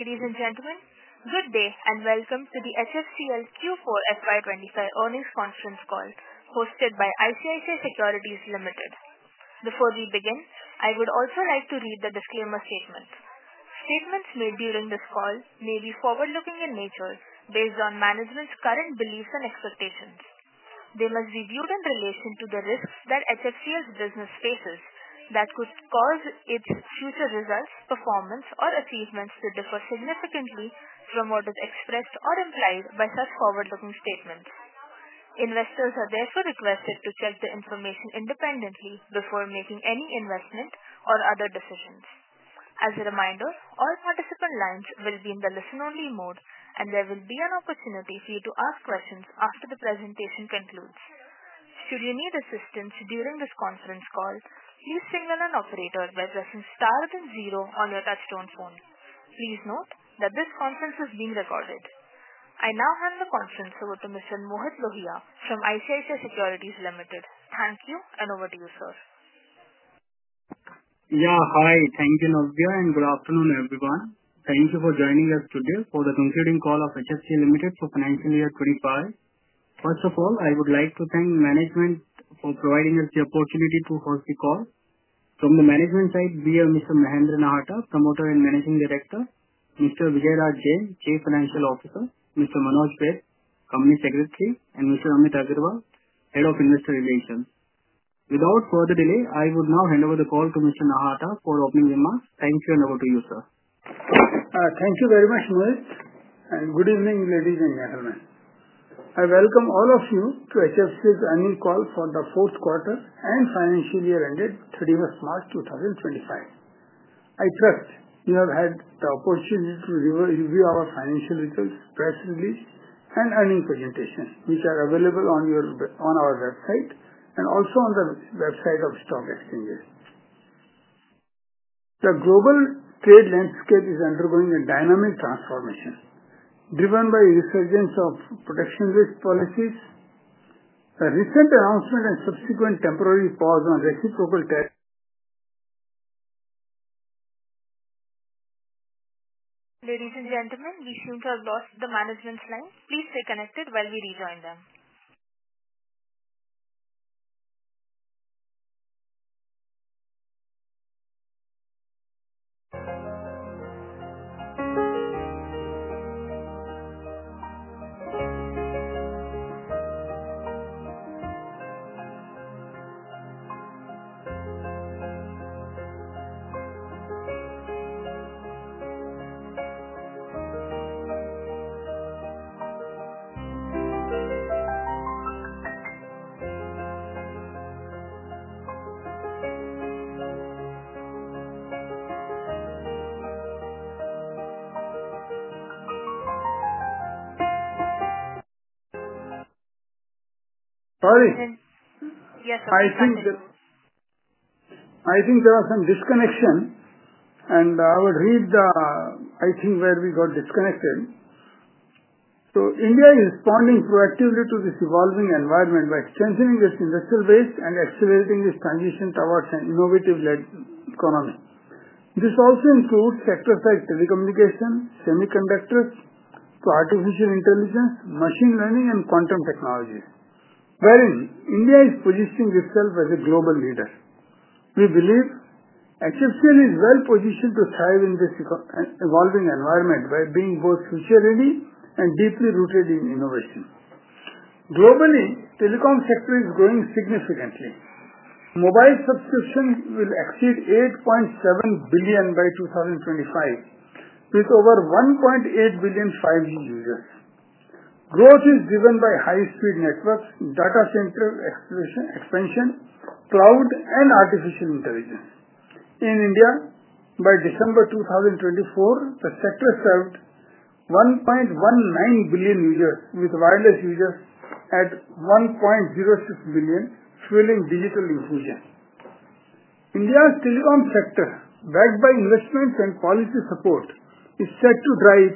Ladies and gentlemen, good day and welcome to the HFCL Q4 FY25 Earnings Conference Call hosted by ICICI Securities Limited. Before we begin, I would also like to read the disclaimer statement. Statements made during this call may be forward-looking in nature based on management's current beliefs and expectations. They must be viewed in relation to the risks that HFCL's business faces that could cause its future results, performance, or achievements to differ significantly from what is expressed or implied by such forward-looking statements. Investors are therefore requested to check the information independently before making any investment or other decisions. As a reminder, all participant lines will be in the listen-only mode, and there will be an opportunity for you to ask questions after the presentation concludes. Should you need assistance during this conference call, please signal an operator by pressing star within zero on your touchstone phone. Please note that this conference is being recorded. I now hand the conference over to Mr. Mohit Lohia from ICICI Securities Limited. Thank you, and over to you, sir. Yeah, hi. Thank you, Navya, and good afternoon, everyone. Thank you for joining us today for the concluding call of HFCL Limited for FY 2025. First of all, I would like to thank management for providing us the opportunity to host the call. From the management side, we have Mr. Mahendra Nahata, Promoter and Managing Director; Mr. V R Jain, Chief Financial Officer; Mr. Manoj Baid, Company Secretary; and Mr. Amit Agarwal, Head of Investor Relations. Without further delay, I would now hand over the call to Mr. Nahata for opening remarks. Thank you, and over to you, sir. Thank you very much, Mohit, and good evening, ladies and gentlemen. I welcome all of you to HFCL's earnings call for the fourth quarter and financial year ended 31st March 2025. I trust you have had the opportunity to review our financial results, press release, and earnings presentation, which are available on our website and also on the website of stock exchanges. The Global trade landscape is undergoing a dynamic transformation driven by the resurgence of protectionist policies, a recent announcement, and subsequent temporary pause on reciprocal tariffs. Ladies and gentlemen, we seem to have lost the management's line. Please stay connected while we rejoin them. Sorry. Yes, sir. I think there was some disconnection, and I would read the, I think, where we got disconnected. India is responding proactively to this evolving environment by strengthening its industrial base and accelerating its transition towards an innovative economy. This also includes sectors like telecommunication, Semiconductors, Artificial Intelligence, Machine learning, and quantum technology, where in India is positioning itself as a global leader. We believe HFCL is well positioned to thrive in this evolving environment by being both future-ready and deeply rooted in innovation. Globally, telecom sector is growing significantly. Mobile subscription will exceed 8.7 billion by 2025, with over 1.8 billion 5G users. Growth is driven by high-speed networks, data center expansion, cloud, and artificial intelligence. In India, by December 2024, the sector served 1.19 billion users, with wireless users at 1.06 billion, fueling digital inclusion. India's telecom sector, backed by investments and policy support, is set to drive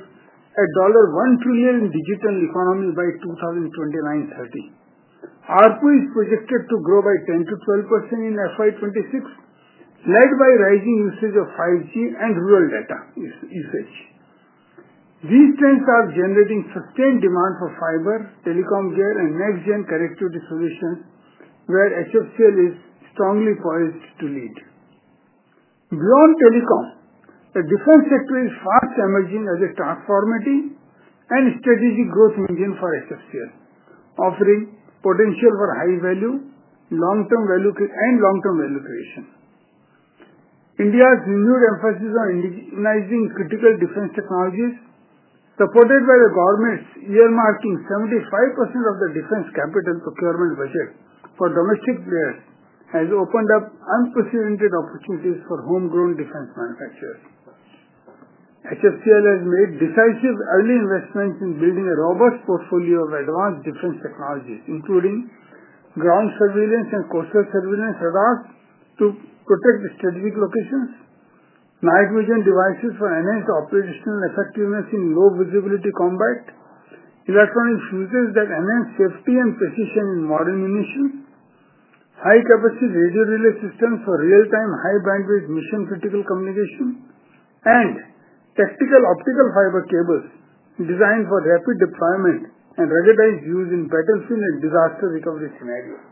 a $1 trillion digital economy by 2029-2030. ARPU is projected to grow by 10%-12% in FY 2026, led by rising usage of 5G and rural data usage. These trends are generating sustained demand for fiber, telecom gear, and next-gen connectivity solutions, where HFCL is strongly poised to lead. Beyond telecom, the defense sector is fast emerging as a transformative and strategic growth engine for HFCL, offering potential for high-value and long-term value creation. India's renewed emphasis on indigenizing critical defense technologies, supported by the government's earmarking 75% of the defense capital procurement budget for domestic players, has opened up unprecedented opportunities for homegrown defense manufacturers. HFCL has made decisive early investments in building a robust portfolio of advanced defense technologies, including ground surveillance and coastal surveillance radars to protect strategic locations, night vision devices for enhanced operational effectiveness in low-visibility combat, electronic fuzes that enhance safety and precision in modern munitions, high-capacity radio relay systems for real-time high-bandwidth mission-critical communication, and tactical optical fiber cables designed for rapid deployment and ruggedized use in battlefield and disaster recovery scenarios.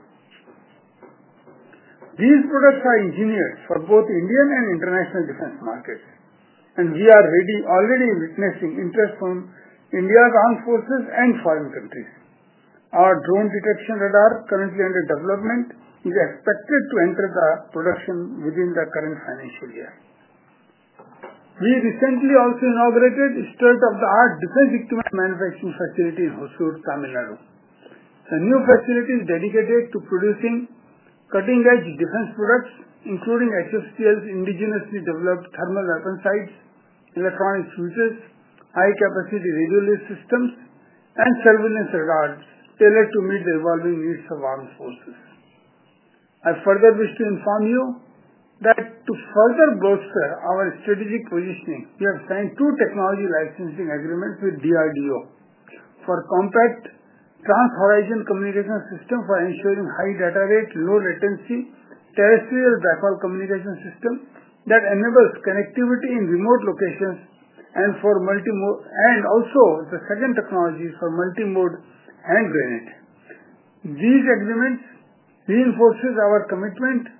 These products are engineered for both Indian and international defense markets, and we are already witnessing interest from India's armed forces and foreign countries. Our Drone Detection Radar, currently under development, is expected to enter production within the current financial year. We recently also inaugurated a state-of-the-art defense equipment manufacturing facility in Hosur, Tamil Nadu. The new facility is dedicated to producing cutting-edge defense products, including HFCL's indigenously developed thermal weapon sights, electronic fuzes, high-capacity radio relay systems, and surveillance radars tailored to meet the evolving needs of armed forces. I further wish to inform you that to further bolster our strategic positioning, we have signed two technology licensing agreements with DRDO for Compact Trans-Horizon Communication Systems for ensuring high data rate, low latency, terrestrial backhaul communication systems that enable connectivity in remote locations, and also the second technology for multi-mode hand grenade. These agreements reinforce our commitment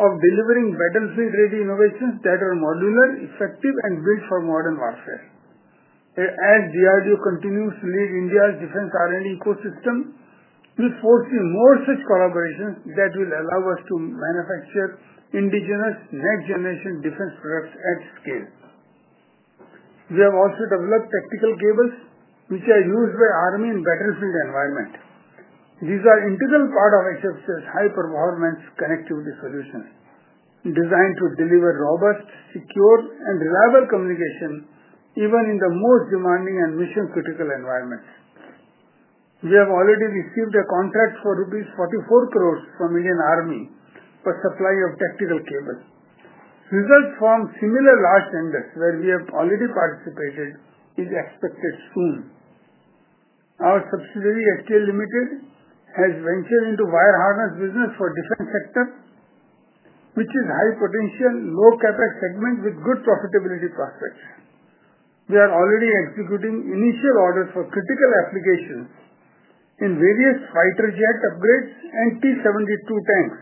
of delivering battlefield-ready innovations that are modular, effective, and built for modern warfare. As DRDO continues to lead India's defense R&D ecosystem, we foresee more such collaborations that will allow us to manufacture indigenous next-generation defense products at scale. We have also developed tactical cables, which are used by the army in battlefield environments. These are an integral part of HFCL's high-performance connectivity solutions, designed to deliver robust, secure, and reliable communication even in the most demanding and mission-critical environments. We have already received a contract for 44 crore rupees from the Indian Army for supply of tactical cables. Results from similar large tenders, where we have already participated, are expected soon. Our subsidiary, HFCL Limited, has ventured into the wire harness business for the defense sector, which is a high-potential, low-capex segment with good profitability prospects. We are already executing initial orders for critical applications in various fighter jet upgrades and T-72 tanks,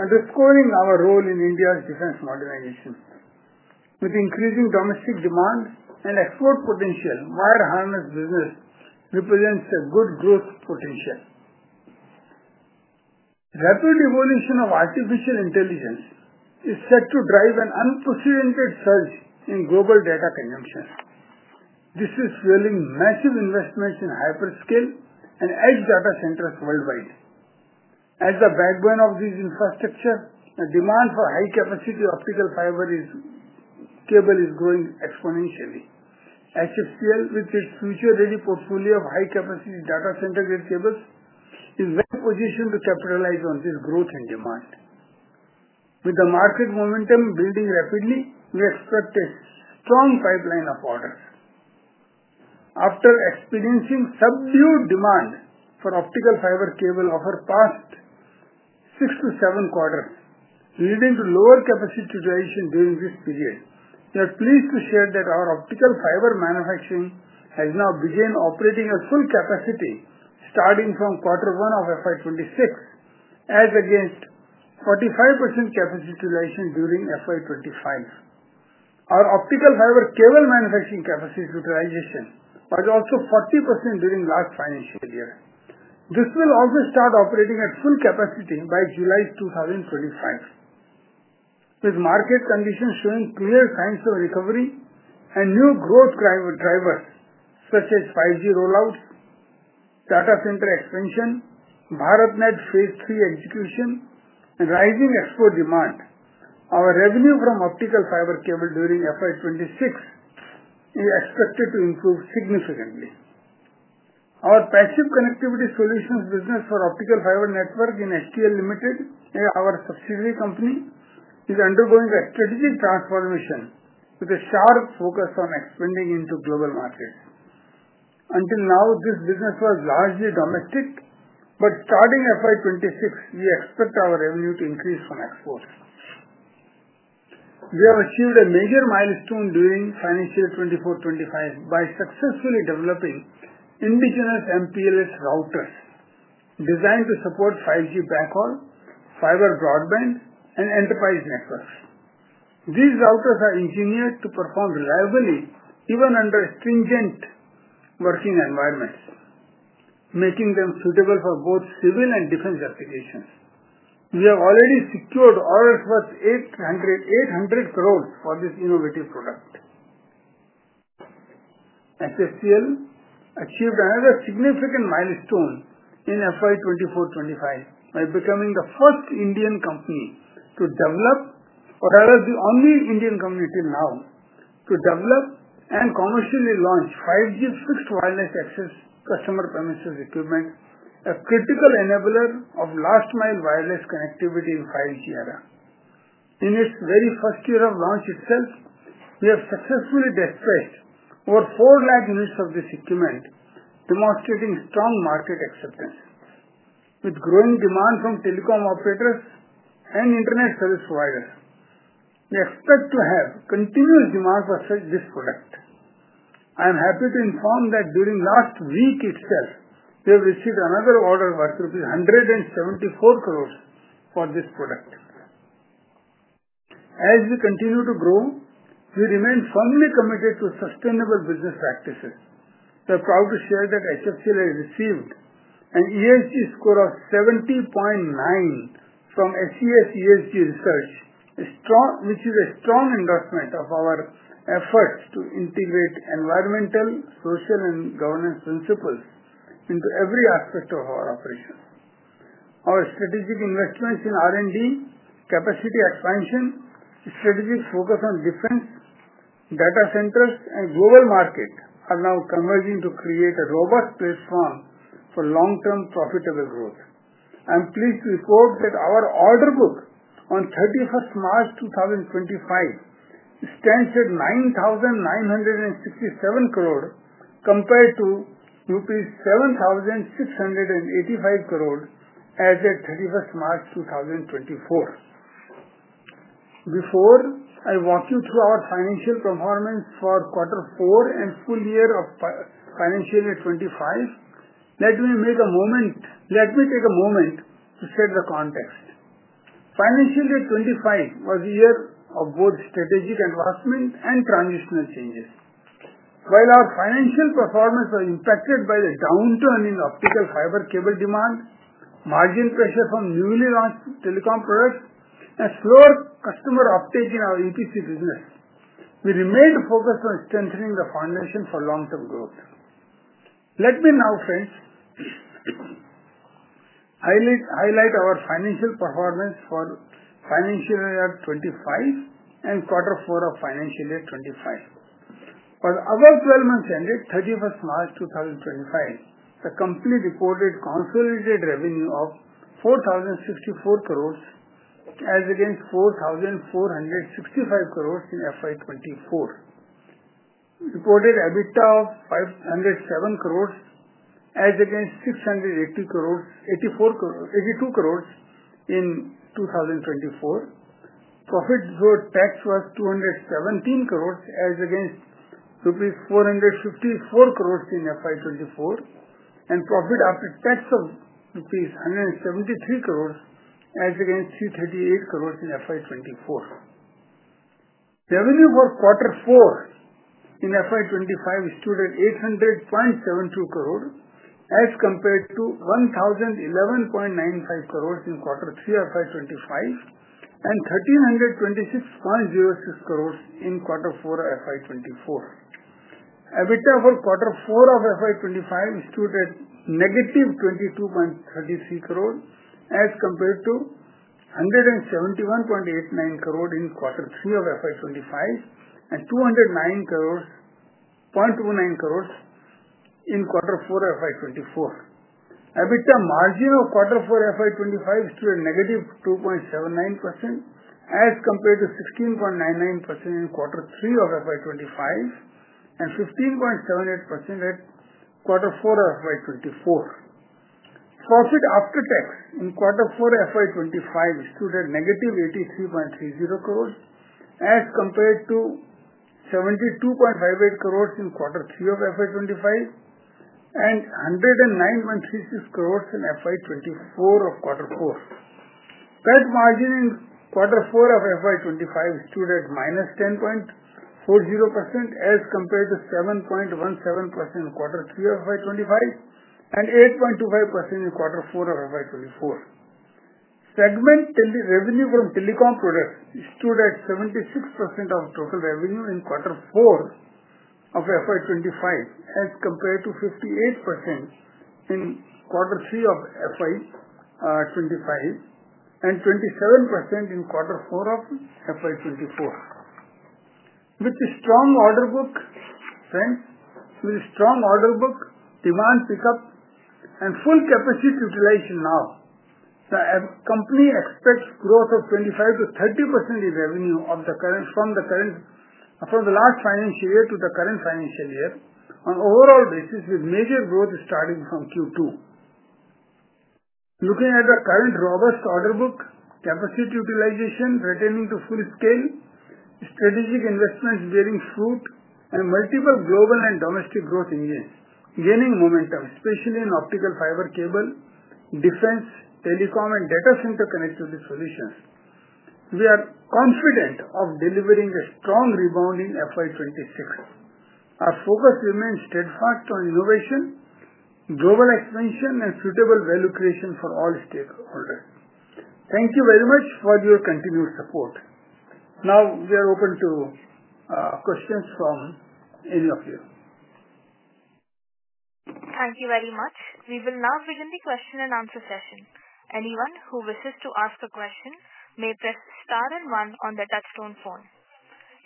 underscoring our role in India's defense modernization. With increasing domestic demand and export potential, the wire harness business represents a good growth potential. Rapid evolution of artificial intelligence is set to drive an unprecedented surge in global data consumption. This is fueling massive investments in hyperscale and edge data centers worldwide. As the backbone of this infrastructure, the demand for high-capacity optical fiber cables is growing exponentially. HFCL, with its future-ready portfolio of high-capacity data center-grade cables, is well positioned to capitalize on this growth and demand. With the market momentum building rapidly, we expect a strong pipeline of orders. After experiencing subdued demand for Optical fiber Cables over the past six to seven quarters, leading to lower capacity utilization during this period, we are pleased to share that our Optical fiber manufacturing has now begun operating at full capacity, starting from quarter one of 2026, as against 45% capacity utilization during 2025. Our Optical fiber cable manufacturing capacity utilization was also 40% during the last financial year. This will also start operating at full capacity by July 2025. With market conditions showing clear signs of recovery and new growth drivers such as 5G rollouts, data center expansion, BharatNet phase three execution, and rising export demand, our revenue from optical fiber cables during FY 2026 is expected to improve significantly. Our passive connectivity solutions business for optical fiber networking in HFCL Limited, our subsidiary company, is undergoing a strategic transformation with a sharp focus on expanding into global markets. Until now, this business was largely domestic, but starting FY 2026, we expect our revenue to increase from exports. We have achieved a major milestone during FY 2024-2025 by successfully developing indigenous MPLS routers designed to support 5G backhaul, fiber broadband, and enterprise networks. These routers are engineered to perform reliably even under stringent working environments, making them suitable for both civil and defense applications. We have already secured orders worth 8,000,000,000 for this innovative product. HFCL achieved another significant milestone in FY 2024-2025 by becoming the first Indian company to develop, or rather the only Indian company till now, to develop and commercially launch 5G Fixed Wireless Access Customers premises equipment, a critical enabler of last-mile wireless connectivity in the 5G era. In its very first year of launch itself, we have successfully dispersed over 400,000 units of this equipment, demonstrating strong market acceptance. With growing demand from telecom operators and internet service providers, we expect to have continuous demand for this product. I am happy to inform that during the last week itself, we have received another order worth 1.74 billion for this product. As we continue to grow, we remain firmly committed to sustainable business practices. We are proud to share that HFCL has received an ESG score of 70.9 from SES ESG Research, which is a strong endorsement of our efforts to integrate environmental, social, and governance principles into every aspect of our operations. Our strategic investments in R&D, capacity expansion, strategic focus on defense, data centers, and global markets are now converging to create a robust platform for long-term profitable growth. I am pleased to report that our order book on 31 March 2025 stands at 9,967 crore compared to rupees 7,685 crore as of 31 March 2024. Before I walk you through our financial performance for quarter four and full year of FY 2025, let me take a moment to set the context. FY 2025 was a year of both strategic endorsement and transitional changes. While our financial performance was impacted by the downturn in optical fiber cable demand, margin pressure from newly launched telecom products, and slower customer uptake in our EPC business, we remained focused on strengthening the foundation for long-term growth. Let me now, friends, highlight our financial performance for FY 2025 and quarter four of FY 2025. For the above 12 months ended 31 March 2025, the company reported consolidated revenue of INR 4,064 crore as against INR 4,465 crore in FY 2024, reported EBITDA of INR 507 crore as against INR 82 crore in 2024, profit before tax was INR 217 crore as against INR 454 crore in FY 2024, and profit after tax of rupees 173 crore as against 338 crore in FY 2024. Revenue for quarter four in FY 2025 stood at 800.72 crore as compared to 1,011.95 crore in quarter three of FY 2025 and 1,326.06 crore in quarter four of FY 2024. EBITDA for quarter four of FY 2025 stood at 22.33 crores as compared to 171.89 crores in quarter three of FY 2025 and 209.29 crores in quarter four of FY 2024. EBITDA margin of quarter four FY 2025 stood at 2.79% as compared to 16.99% in quarter three of FY 2025 and 15.78% in quarter four of FY 2024. Profit after tax in quarter four FY 2025 stood at 83.30 crores as compared to 72.58 crores in quarter three of FY 2025 and 109.36 crores in quarter four of FY 2024. PAT margin in quarter four of FY 2025 stood at 10.40% as compared to 7.17% in quarter three of FY 2025 and 8.25% in quarter four of FY 2024. Segment revenue from telecom products stood at 76% of total revenue in quarter four of FY 2025 as compared to 58% in quarter three of FY 2025 and 27% in quarter four of FY 2024. With the strong order book, demand pickup, and full capacity utilization now, the company expects growth of 25%-30% in revenue from the last financial year to the current financial year on an overall basis with major growth starting from Q2. Looking at the current robust order book, capacity utilization retaining to full scale, strategic investments bearing fruit, and multiple global and domestic growth engines gaining momentum, especially in Optical fiber cable, defense, telecom, and data center connectivity solutions, we are confident of delivering a strong rebound in FY 2026. Our focus remains steadfast on innovation, global expansion, and suitable value creation for all stakeholders. Thank you very much for your continued support. Now, we are open to questions from any of you. Thank you very much. We will now begin the question and answer session. Anyone who wishes to ask a question may press star and one on the touchstone phone.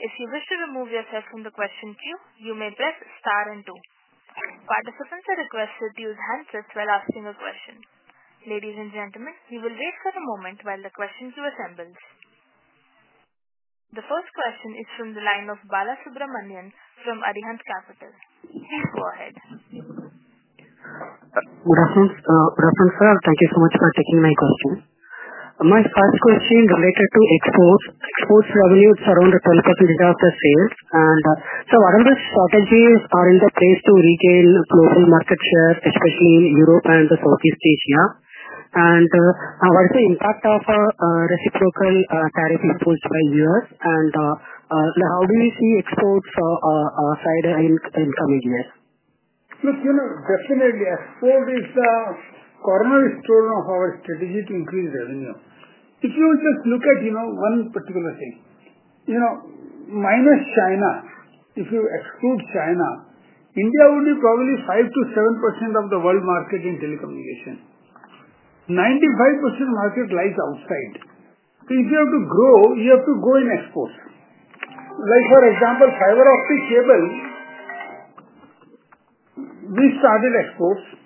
If you wish to remove yourself from the question queue, you may press star and two. Participants are requested to use handsets while asking a question. Ladies and gentlemen, we will wait for a moment while the question queue assembles. The first question is from the line of Balasubramanian from Arihant Capital. Please go ahead. Good afternoon, sir. Thank you so much for taking my question. My first question related to exports. Exports revenue is around 12% of the sales. What are the strategies in place to retain global market share, especially in Europe and Southeast Asia? What is the impact of reciprocal tariffs imposed by the U.S.? How do you see exports side in the coming years? Look, definitely, export is the Cornerstone of our strategy to increase revenue. If you just look at one particular thing, minus China, if you exclude China, India would be probably 5%-7% of the world market in telecommunication. 95% market lies outside. If you have to grow, you have to go in exports. Like for example, fiber optic cable, we started exports.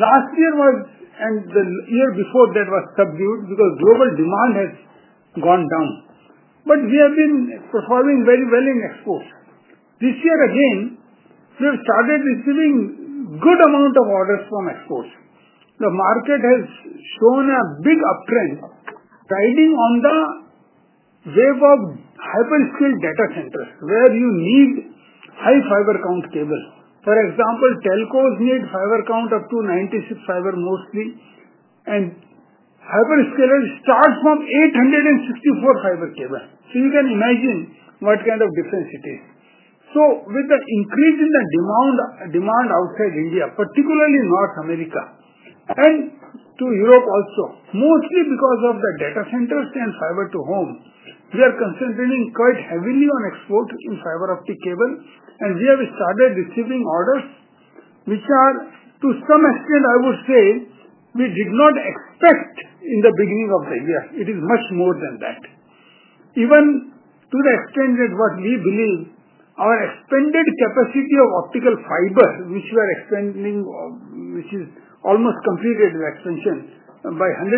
Last year was, and the year before that was subdued because global demand has gone down. But we have been performing very well in exports. This year again, we have started receiving a good amount of orders from exports. The market has shown a big uptrend, riding on the wave of hyperscale data centers where you need high fiber count cable. For example, telcos need fiber count up to 96 fiber mostly, and hyperscale starts from 864 fiber cable. So you can imagine what kind of difference it is. With the increase in the demand outside India, particularly North America and to Europe also, mostly because of the data centers and fiber to home, we are concentrating quite heavily on export in fiber optic cable. We have started receiving orders which are, to some extent, I would say we did not expect in the beginning of the year. It is much more than that. Even to the extent that what we believe our expanded capacity of optical fiber, which we are expanding, which is almost completed with expansion by 100%,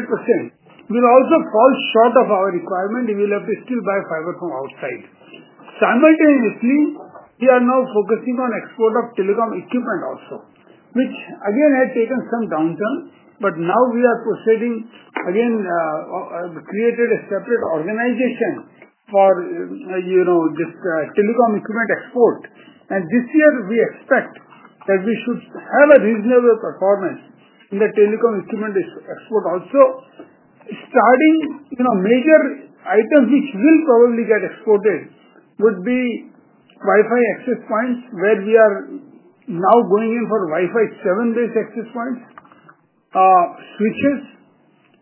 will also fall short of our requirement. We will have to still buy fiber from outside. Simultaneously, we are now focusing on export of telecom equipment also, which again had taken some downturn. Now we are proceeding again, created a separate organization for this telecom equipment export. This year we expect that we should have a reasonable performance in the telecom equipment export also. Starting major items which will probably get exported would be Wi-Fi Access Points where we are now going in for Wi-Fi 7-based access points, switches,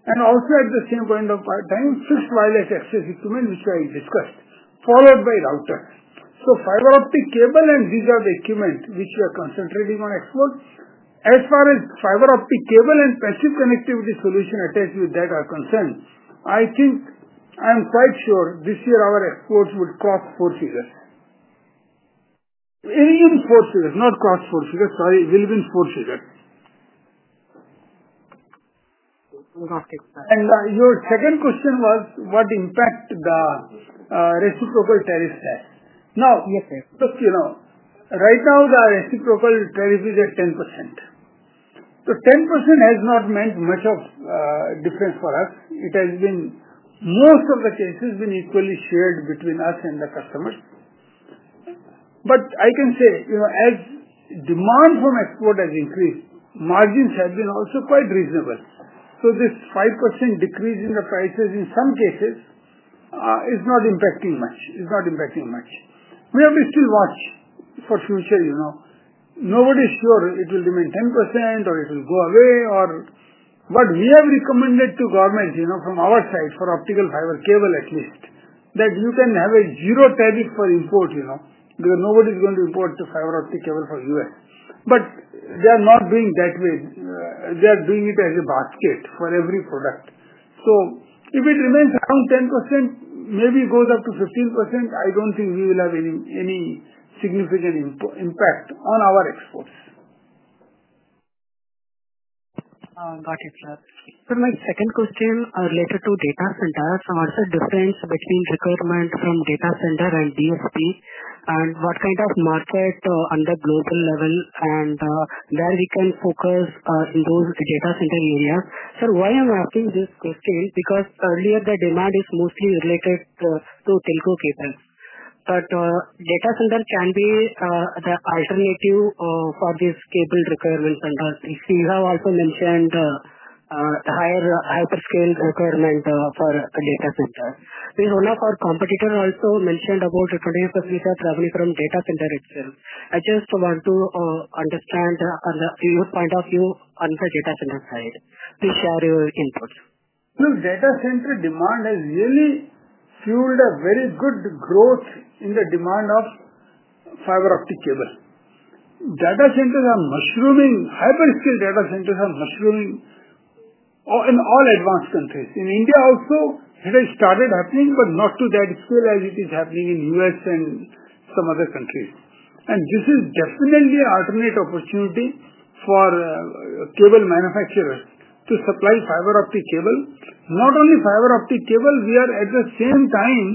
and also at the same point of time, fixed wireless access equipment which I discussed, followed by routers. Fiber optic cable and these are the equipment which we are concentrating on export. As far as fiber optic cable and passive connectivity solution attached with that are concerned, I think I am quite sure this year our exports would be in four figures. Your second question was what impact the reciprocal tariffs have. Now, look, right now the reciprocal tariff is at 10%. 10% has not meant much of difference for us. It has been, most of the cases, been equally shared between us and the customers. I can say as demand from export has increased, margins have been also quite reasonable. This 5% decrease in the prices in some cases is not impacting much. It's not impacting much. We have to still watch for future, Nobody is sure it will remain 10% or it will go away. We have recommended to government from our side for optical fiber cable at least that you can have a zero tariff for import because nobody is going to import the fiber optic cable from the U.S. They are not doing that way. They are doing it as a basket for every product. If it remains around 10%, maybe goes up to 15%, I don't think we will have any significant impact on our exports. Got it, Sir, my second question related to data centers. What is the difference between requirement from data center and DSP? And what kind of market on the global level and where we can focus in those data center areas? Sir, why I'm asking this question? Because earlier the demand is mostly related to telco cables. But data center can be the alternative for these cable requirements. You have also mentioned the higher hyperscale requirement for data centers. We have one of our competitors also mentioned about 25% of revenue from data center itself. I just want to understand your point of view on the data center side. Please share your input. Look, data center demand has really fueled a very good growth in the demand of fiber optic cable. Data centers are mushrooming. Hyperscale data centers are mushrooming in all advanced countries. In India also, it has started happening, but not to that scale as it is happening in the U.S. and some other countries. This is definitely an alternate opportunity for cable manufacturers to supply fiber optic cable. Not only fiber optic cable, we are at the same time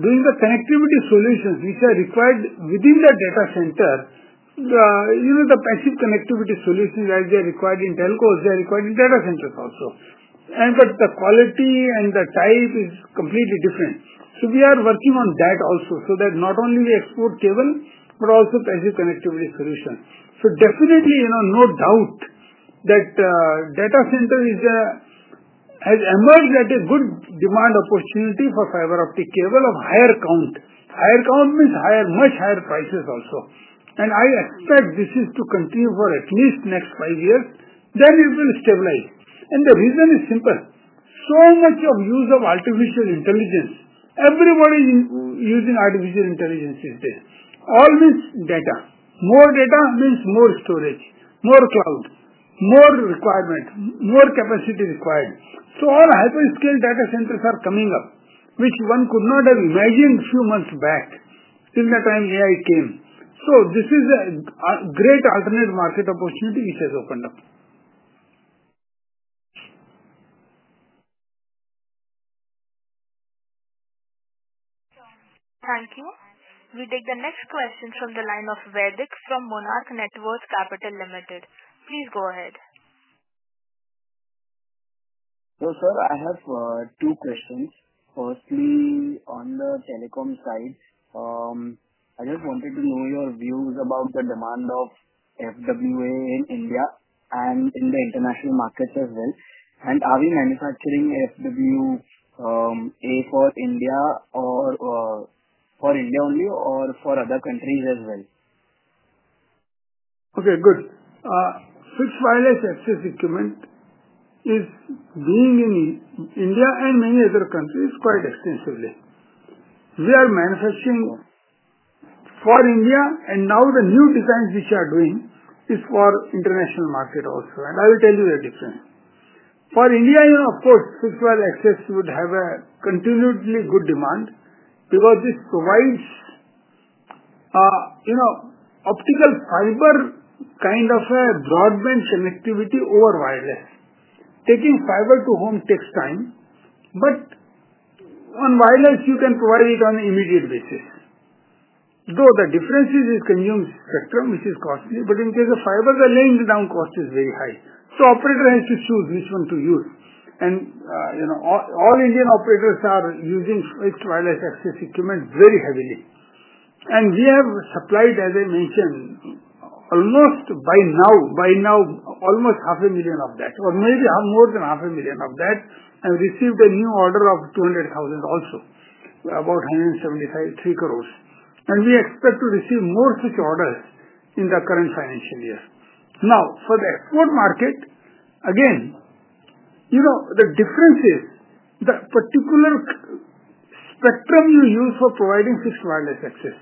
doing the connectivity solutions which are required within the data center. The passive connectivity solutions as they are required in telcos are required in data centers also. The quality and the type is completely different. We are working on that also so that not only we export cable, but also passive connectivity solutions. Definitely, no doubt that data center has emerged at a good demand opportunity for fiber optic cable of higher count. Higher count means much higher prices also. I expect this is to continue for at least the next five years. It will stabilize. The reason is simple. So much of use of artificial intelligence. Everybody is using artificial intelligence these days. All means data, More data means more storage, more cloud, more requirement, more capacity required. All hyperscale data centers are coming up, which one could not have imagined a few months back in the time AI came. This is a great alternate market opportunity which has opened up. Thank you. We take the next question from the line of Vaidik from Monarch Networks Capital Limited. Please go ahead. Hello, sir. I have two questions. Firstly, on the telecom side, I just wanted to know your views about the demand of FWA in India and in the international markets as well. Are we manufacturing FWA for India only or for other countries as well? Okay, good, Fixed wireless access equipment is being in India and many other countries quite extensively. We are manufacturing for India, and now the new designs which we are doing is for international market also. I will tell you the difference. For India, of course, fixed wireless access would have a continuedly good demand because this provides optical fiber kind of a broadband connectivity over wireless. Taking fiber to home takes time, but on wireless, you can provide it on an immediate basis. The difference is consumed spectrum, which is costly, but in case of fiber, the laying down cost is very high. The operator has to choose which one to use. All Indian operators are using fixed wireless access equipment very heavily. We have supplied, as I mentioned, by now almost 500,000 of that, or maybe more than 500,000 of that, and received a new order of 200,000 also, about 1.73 billion. We expect to receive more such orders in the current financial year. Now, for the export market, again, the difference is the particular spectrum you use for providing fixed wireless access.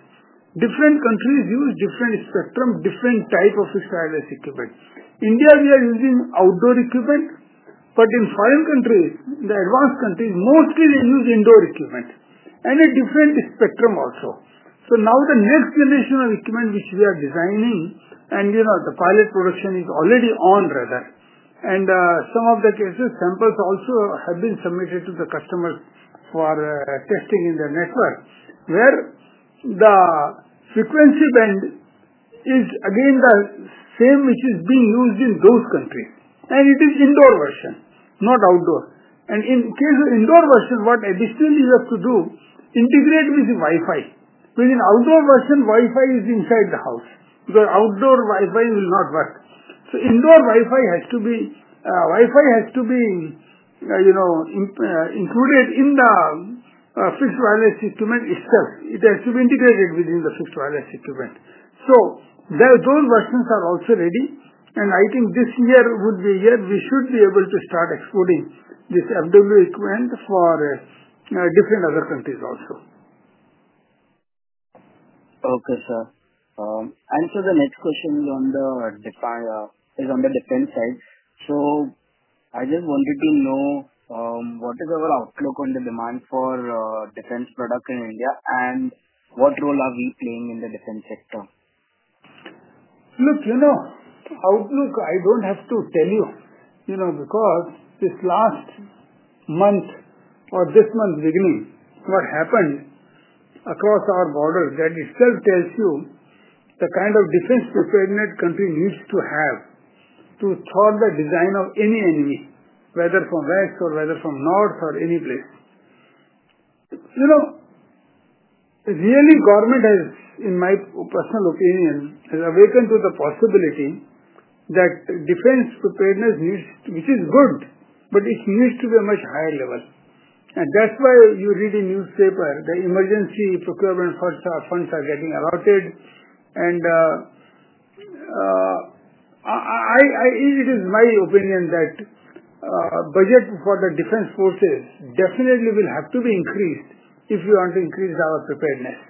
Different countries use different spectrum, different type of fixed wireless equipment. In India, we are using outdoor equipment, but in foreign countries, the advanced countries, mostly they use indoor equipment and a different spectrum also. Now the next generation of equipment which we are designing, and the pilot production is already on rather. In some of the cases, samples also have been submitted to the customers for testing in their network where the frequency band is again the same which is being used in those countries. It is indoor version, not outdoor. In case of indoor version, what additionally you have to do is integrate with Wi-Fi. With outdoor version, Wi-Fi is inside the house because outdoor Wi-Fi will not work. Indoor Wi-Fi has to be included in the fixed wireless equipment itself. It has to be integrated within the fixed wireless equipment. Those versions are also ready. I think this year would be a year we should be able to start exporting this FWA equipment for different other countries also. Okay, sir. The next question is on the defense side. I just wanted to know what is our outlook on the demand for defense products in India and what role are we playing in the defense sector? Look, outlook, I don't have to tell you because this last month or this month beginning, what happened across our borders, that itself tells you the kind of defense preparedness country needs to have to thwart the design of any enemy, whether from west or whether from north or any place. Really, Government has, in my personal opinion, awakened to the possibility that defense preparedness needs, which is good, but it needs to be a much higher level. That's why you read in newspaper, the emergency procurement funds are getting allotted. It is my opinion that budget for the defense forces definitely will have to be increased if we want to increase our preparedness.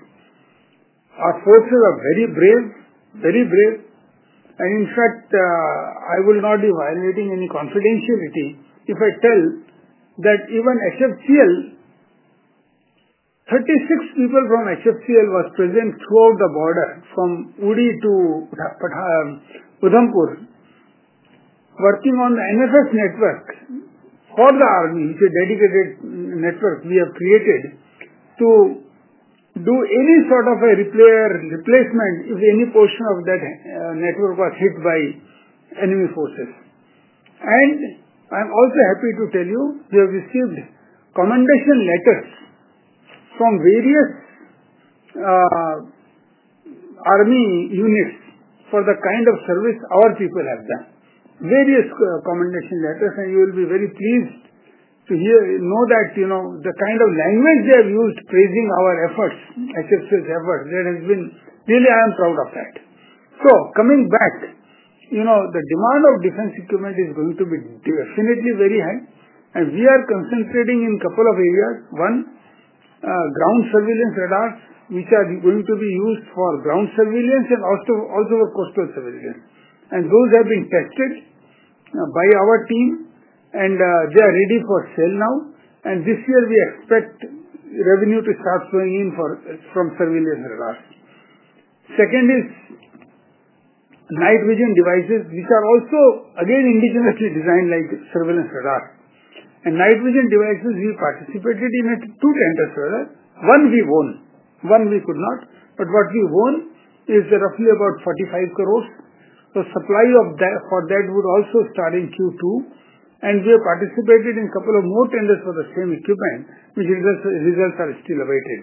Our forces are very brave, very brave. In fact, I will not be violating any confidentiality if I tell that even HFCL, 36 people from HFCL were present throughout the border from Udi to Udhampur, working on the NFS network for the Army, which is a dedicated network we have created to do any sort of a replacement if any portion of that network was hit by enemy forces. I am also happy to tell you we have received commendation letters from various army units for the kind of service our people have done. Various commendation letters, and you will be very pleased to know that the kind of language they have used praising our efforts, HFCL's efforts, that has been really, I am proud of that. Coming back, the demand of defense equipment is going to be definitely very high. We are concentrating in a couple of areas. One, ground surveillance radars, which are going to be used for ground surveillance and also for coastal surveillance. Those have been tested by our team, and they are ready for sale now. This year, we expect revenue to start flowing in from surveillance radars. Second is night vision devices, which are also again indigenously designed like surveillance radars. Night vision devices, we participated in two tenders rather. One we won, one we could not. What we won is roughly about 450,000,000. The supply for that would also start in Q2. We have participated in a couple of more tenders for the same equipment, which results are still awaited.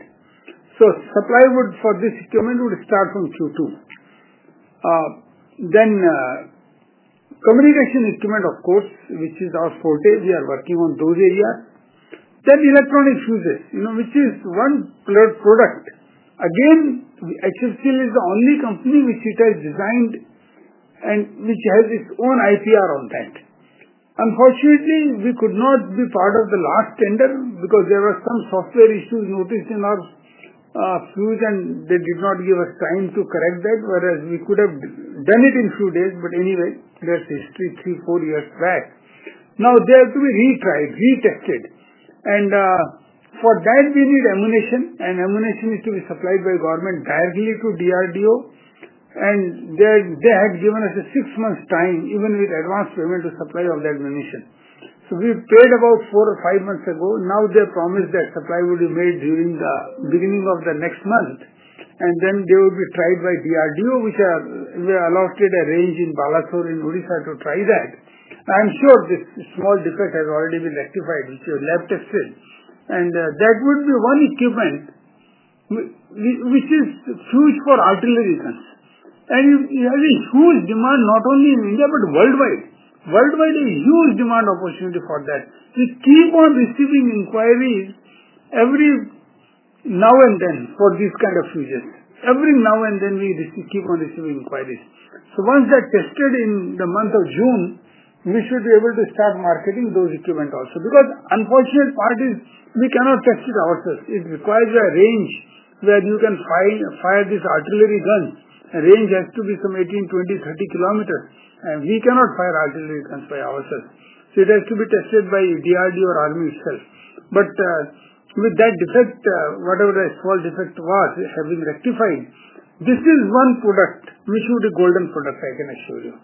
Supply for this equipment would start from Q2. Communication equipment, of course, which is our forte, we are working on those areas. Electronic fuzes, which is one product. Again, HFCL is the only company which it has designed and which has its own IPR on that. Unfortunately, we could not be part of the last tender because there were some software issues noticed in our fuze, and they did not give us time to correct that, whereas we could have done it in a few days. Anyway, that's history three, four years back. Now, they have to be retried, retested. For that, we need ammunition, and ammunition needs to be supplied by government directly to DRDO. They had given us a six-month time, even with advance payment to supply of that ammunition. We paid about four or five months ago. Now, they promised that supply would be made during the beginning of the next month, and then they would be tried by DRDO, which allotted a range in Balasore in Odisha to try that. I'm sure this small defect has already been rectified, which we have left it still. That would be one equipment which is huge for artillery guns. It has a huge demand, not only in India but worldwide. Worldwide, a huge demand opportunity for that. We keep on receiving inquiries every now and then for these kind of fuzes. Every now and then, we keep on receiving inquiries. Once that's tested in the month of June, we should be able to start marketing those equipment also. Because unfortunate part is we cannot test it ourselves. It requires a range where you can fire this artillery gun. A range has to be some 18, 20, 30 kilometers. We cannot fire artillery guns by ourselves. It has to be tested by DRDO or the army itself. With that defect, whatever small defect was, it has been rectified. This is one product, which would be a golden product, I can assure you.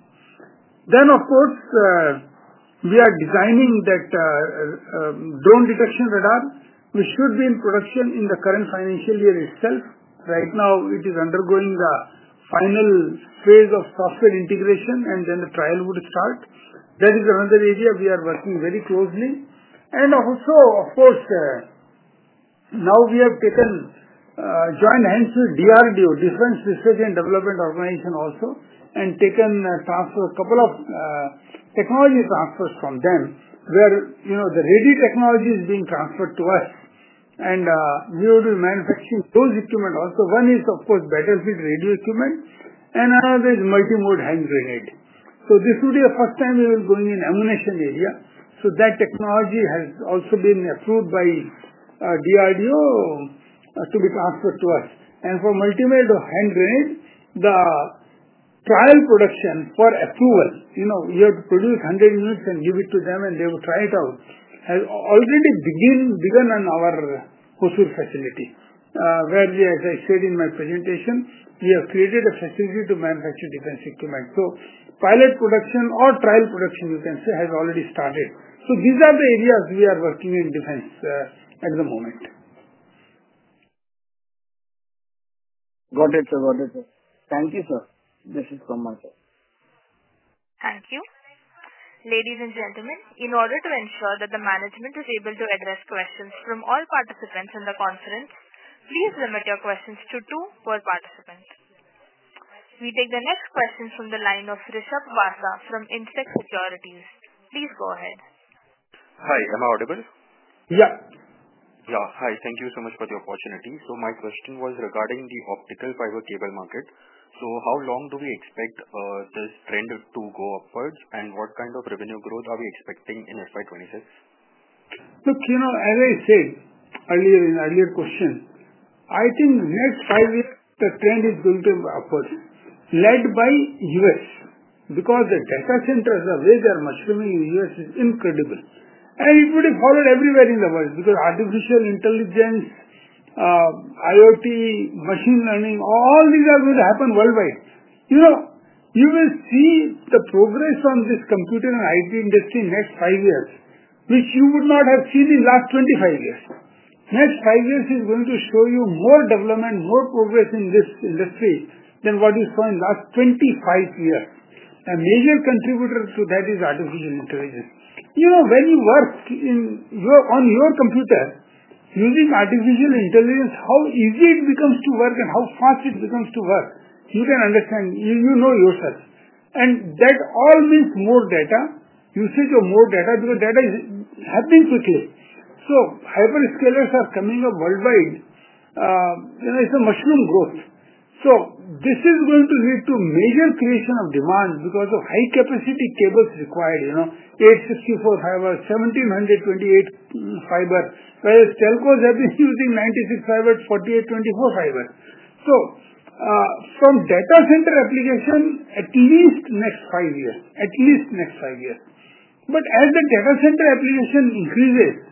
We are designing that Drone Detection Radar, which should be in production in the current financial year itself. Right now, it is undergoing the final phase of software integration, and then the trial would start. That is another area we are working very closely. Also, now we have taken joint hands with DRDO, and taken a couple of technology transfers from them where the radio technology is being transferred to us. We will be manufacturing those equipment also. One is, of course, battlefield radio equipment, and another is Multimode hand grenade. This would be the first time we will go in an ammunition area. That technology has also been approved by DRDO to be transferred to us. For multimode hand grenade, the trial production for approval, you have to produce 100 units and give it to them, and they will try it out, has already begun on our Hosur facility where we, as I said in my presentation, we have created a facility to manufacture defense equipment. Pilot production or trial production, you can say, has already started. These are the areas we are working in defense at the moment. Got it, sir. Got it, sir. Thank you, sir. This is from my side. Thank you, ladies and gentlemen, in order to ensure that the management is able to address questions from all participants in the conference, please limit your questions to two per participant. We take the next question from the line of Rishabh Basa from Insect Securities. Please go ahead. Hi. Am I audible? Yeah. Yeah. Hi. Thank you so much for the opportunity. So my question was regarding the optical fiber cable market. How long do we expect this trend to go upwards, and what kind of revenue growth are we expecting in FY 2026? Look, as I said earlier in the earlier question, I think the next five years, the trend is going to be upwards, led by the US. Because the data centers are where they are mushrooming in the US is incredible. It would be followed everywhere in the world because artificial intelligence, IoT, machine learning, all these are going to happen worldwide. You will see the progress on this computer and IT industry in the next five years, which you would not have seen in the last 25 years. The next five years is going to show you more development, more progress in this industry than what you saw in the last 25 years. A major contributor to that is artificial intelligence. When you work on your computer using artificial intelligence, how easy it becomes to work and how fast it becomes to work, you can understand. You know yourself, that all means more data, usage of more data because data is happening quickly. Hyperscalers are coming up worldwide. It's a mushroom growth. This is going to lead to major creation of demand because of high-capacity cables required, 864 fiber, 1728 fiber, whereas telcos have been using 96 fiber, 48, 24 fiber. From data center application, at least next five years, at least next five years. As the data center application increases,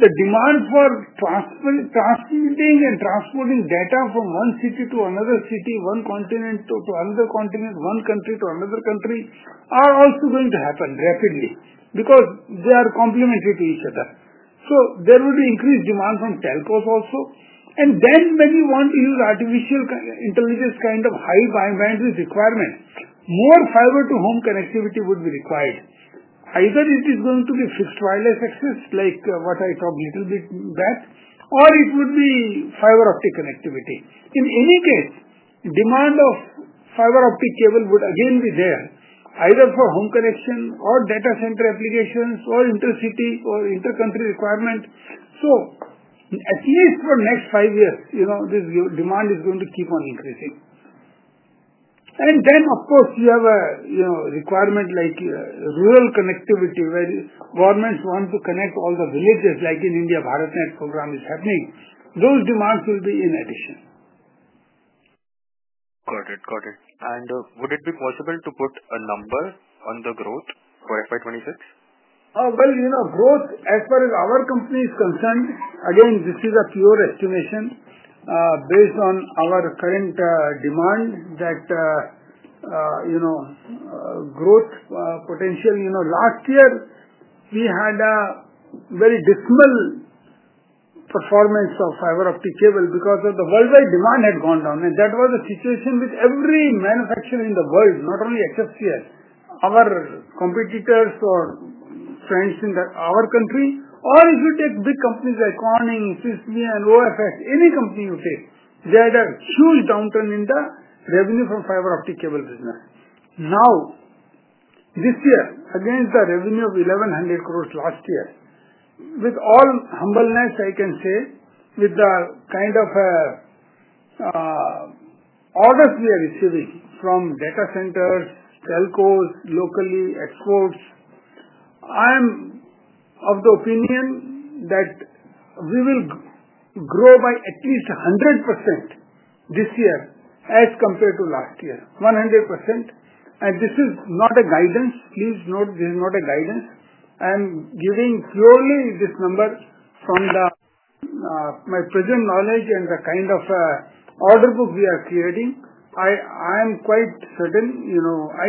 the demand for transmitting and transporting data from one city to another city, one continent to another continent, one country to another country are also going to happen rapidly because they are complementary to each other. There would be increased demand from telcos also. When you want to use artificial intelligence kind of high-bandwidth requirement, more fiber-to-home connectivity would be required. Either it is going to be fixed wireless access like what I talked a little bit back, or it would be fiber optic connectivity. In any case, demand of fiber optic cable would again be there, either for home connection or data center applications or intercity or intercountry requirement. At least for the next five years, this demand is going to keep on increasing. Of course, you have a requirement like rural connectivity where governments want to connect all the villages like in India, BharatNet program is happening. Those demands will be in addition. Got it. Got it. Would it be possible to put a number on the growth for FY 2026? Growth, as far as our company is concerned, again, this is a pure estimation based on our current demand, that growth potential. Last year, we had a very dismal performance of fiber optic cable because the worldwide demand had gone down. That was the situation with every manufacturer in the world, not only HFCL. Our competitors or friends in our country, or if you take big companies like Corning, Sysme, and OFX, any company you take, they had a huge downturn in the revenue from fiber optic cable business. Now, this year, again, it's the revenue of 1,100 crore last year. With all humbleness, I can say, with the kind of orders we are receiving from data centers, telcos locally, exports, I am of the opinion that we will grow by at least 100% this year as compared to last year, 100%. This is not a guidance. Please note, this is not a guidance. I am giving purely this number from my present knowledge and the kind of order book we are creating. I am quite certain. I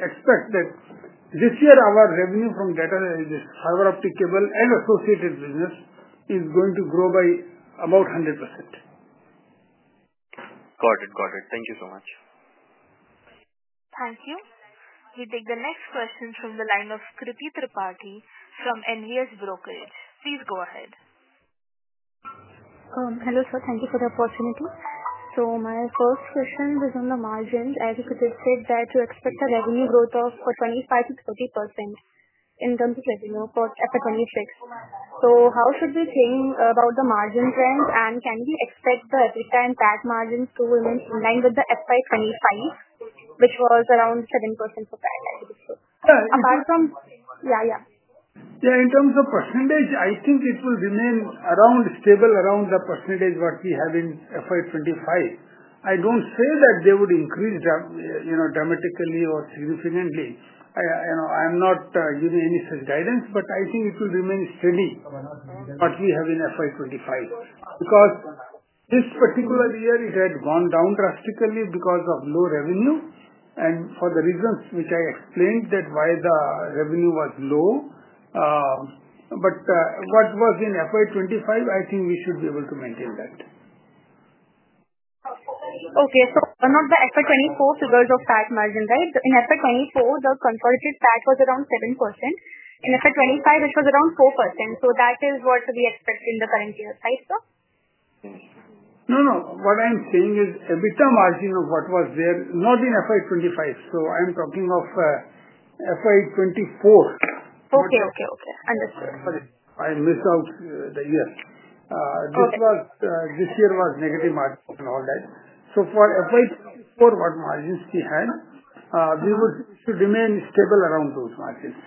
expect that this year, our revenue from data is this fiber optic cable and associated business is going to grow by about 100%. Got it, Got it. Thank you so much. Thank you. We take the next question from the line of Kriti Tripathi from NVS Brokerage. Please go ahead. Hello, sir. Thank you for the opportunity. So my first question is on the margins. As you said, that you expect a revenue growth of 25%-30% in terms of revenue for FY 2026. How should we think about the margin trend, and can we expect the FHI and PAC margins to remain in line with FY 2025, which was around 7% for PAC, I believe? Apart from yeah, yeah. In terms of percentage, I think it will remain around stable, around the percentage what we have in FY 2025. I do not say that they would increase dramatically or significantly. I am not giving any such guidance, but I think it will remain steady what we have in FY 2025. Because this particular year, it had gone down drastically because of low revenue. And for the reasons which I explained, that why the revenue was low. But what was in FY 2025, I think we should be able to maintain that. Okay. So one of the FY 2024 figures of PAC margin, right? In FY 2024, the consolidated PAC was around 7%. In FY 2025, it was around 4%. So that is what we expect in the current year, right, sir? No, no. What I'm saying is EBITDA margin of what was there, not in FY 2025. So I'm talking of FY 2024. Okay. Okay. Okay. Understood. I missed out the year. This year was negative margins and all that. For FY 2024, what margins we had, we would remain stable around those margins.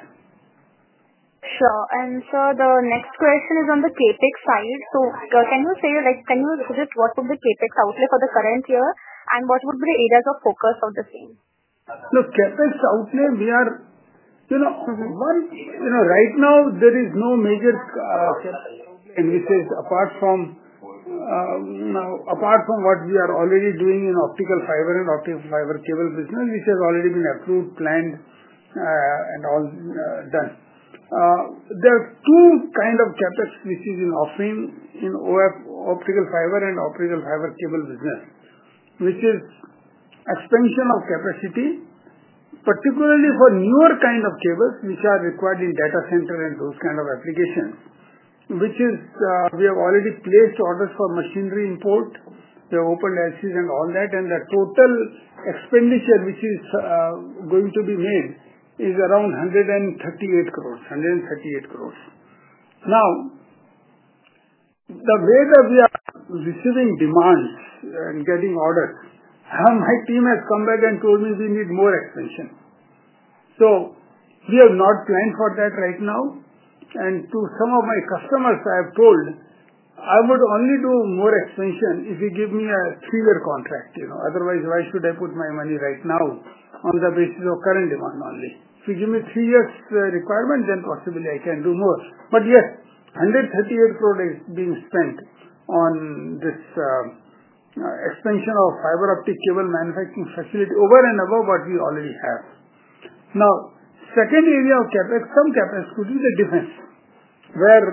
Sure. And sir, the next question is on the CapEx side. Can you say, can you give it what would be CapEx outlay for the current year, and what would be the areas of focus of the same? Look, CapEx outlay, we are right now, there is no major CapEx outlay, which is apart from what we are already doing in optical fiber and optical fiber cable business, which has already been approved, planned, and all done. There are two kinds of CapEx, which is in offering in optical fiber and optical fiber cable business, which is expansion of capacity, particularly for newer kinds of cables which are required in data center and those kinds of applications, which is we have already placed orders for machinery import. We have opened LCs and all that. The total expenditure which is going to be made is around 138 crore. Now, the way that we are receiving demands and getting orders, my team has come back and told me we need more expansion. We have not planned for that right now. To some of my customers, I have told, "I would only do more expansion if you give me a three-year contract. Otherwise, why should I put my money right now on the basis of current demand only? If you give me three years requirement, then possibly I can do more." Yes, 138 crore is being spent on this expansion of fiber optic cable manufacturing facility over and above what we already have. The second area of CapEx, some CapEx could be the defense, where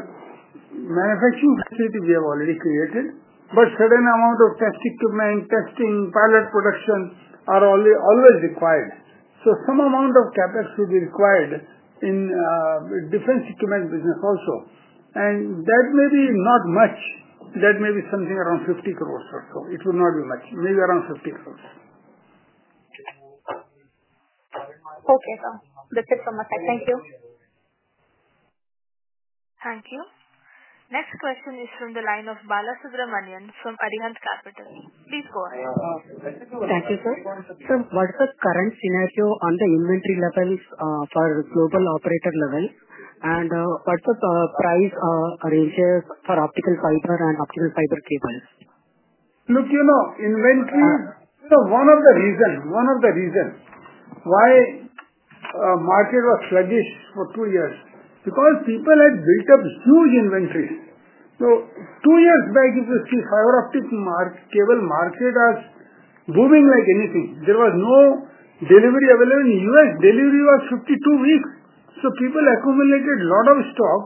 manufacturing facility we have already created, but certain amount of test equipment, testing, pilot production are always required. Some amount of CapEx would be required in defense equipment business also. That may be not much. That may be something around 500 million or so. It will not be much. Maybe around 500 million. Okay, sir. That's it from my side, Thank you. Thank you. Next question is from the line of Balasubramanian from Arihant Capital. Please go ahead. Thank you, sir. Sir, what's the current scenario on the inventory levels for global operator levels, and what's the price range for optical fiber and optical fiber cables? Look, inventory is one of the reasons, one of the reasons why the market was sluggish for two years because people had built up huge inventories. Two years back, if you see, fiber optic cable market was booming like anything. There was no delivery available. U.S. delivery was 52 weeks. People accumulated a lot of stock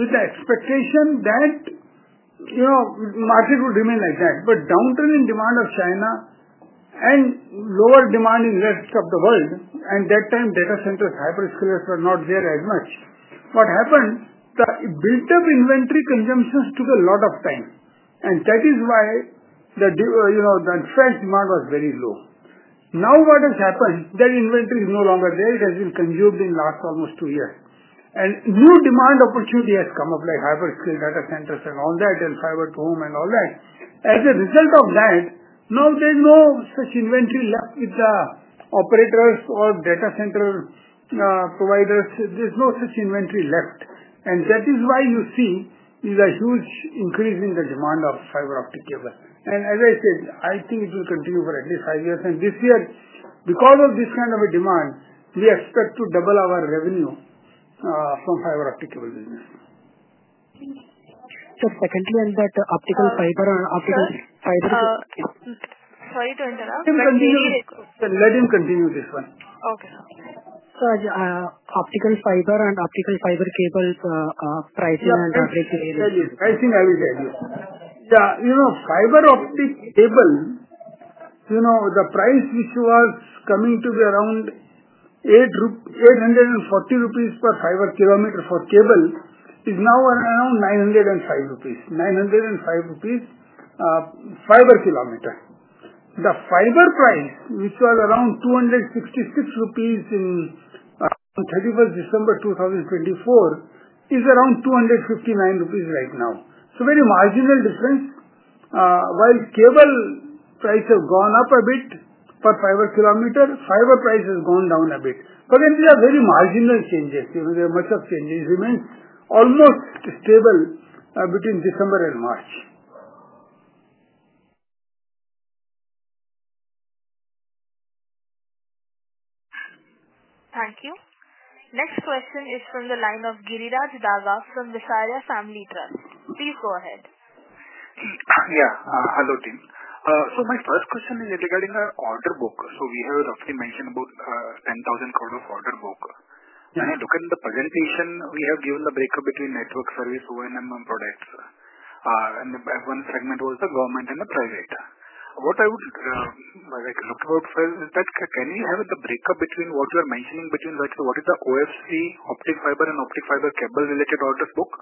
with the expectation that market would remain like that. Downturn in demand of China and lower demand in rest of the world, at that time data centers, hyperscalers were not there as much. What happened, the built-up inventory consumption took a lot of time. That is why the fresh demand was very low. Now what has happened, that inventory is no longer there. It has been consumed in the last almost two years. New demand opportunity has come up like hyperscale data centers and all that and fiber to home and all that. As a result of that, now there is no such inventory left with the operators or data center providers. There is no such inventory left. That is why you see the huge increase in the demand of fiber optic cable. As I said, I think it will continue for at least five years. This year, because of this kind of a demand, we expect to double our revenue from fiber optic cable business. Sir, secondly on that optical fiber and optical fiber. Sorry to interrupt. Let him continue this one. Okay. Sir, optical fiber and optical fiber cable pricing and average area. I will tell you. I think I will tell you. Yeah. Fiber optic cable, the price which was coming to be around 840 rupees per fiber kilometer for cable is now around 905 rupees, 905 rupees per fiber kilometer. The fiber price, which was around 266 rupees on 31st December 2024, is around 259 rupees right now, So very marginal difference. While cable prices have gone up a bit per fiber kilometer, fiber price has gone down a bit. But again, these are very marginal changes. There are not much of changes. It remains almost stable between December and March. Thank you. Next question is from the line of Giriraj Daga from Visarya Family Trust. Please go ahead. Yeah. Hello team. So my first question is regarding our order book. So we have roughly mentioned about 10,000 crore of order book. When I look at the presentation, we have given the breakup between network service, ONM, and products. And one segment was the government and the private. What I would look out for is that can we have the breakup between what you are mentioning between what is the OFC, optical fiber, and optical fiber cable related order book?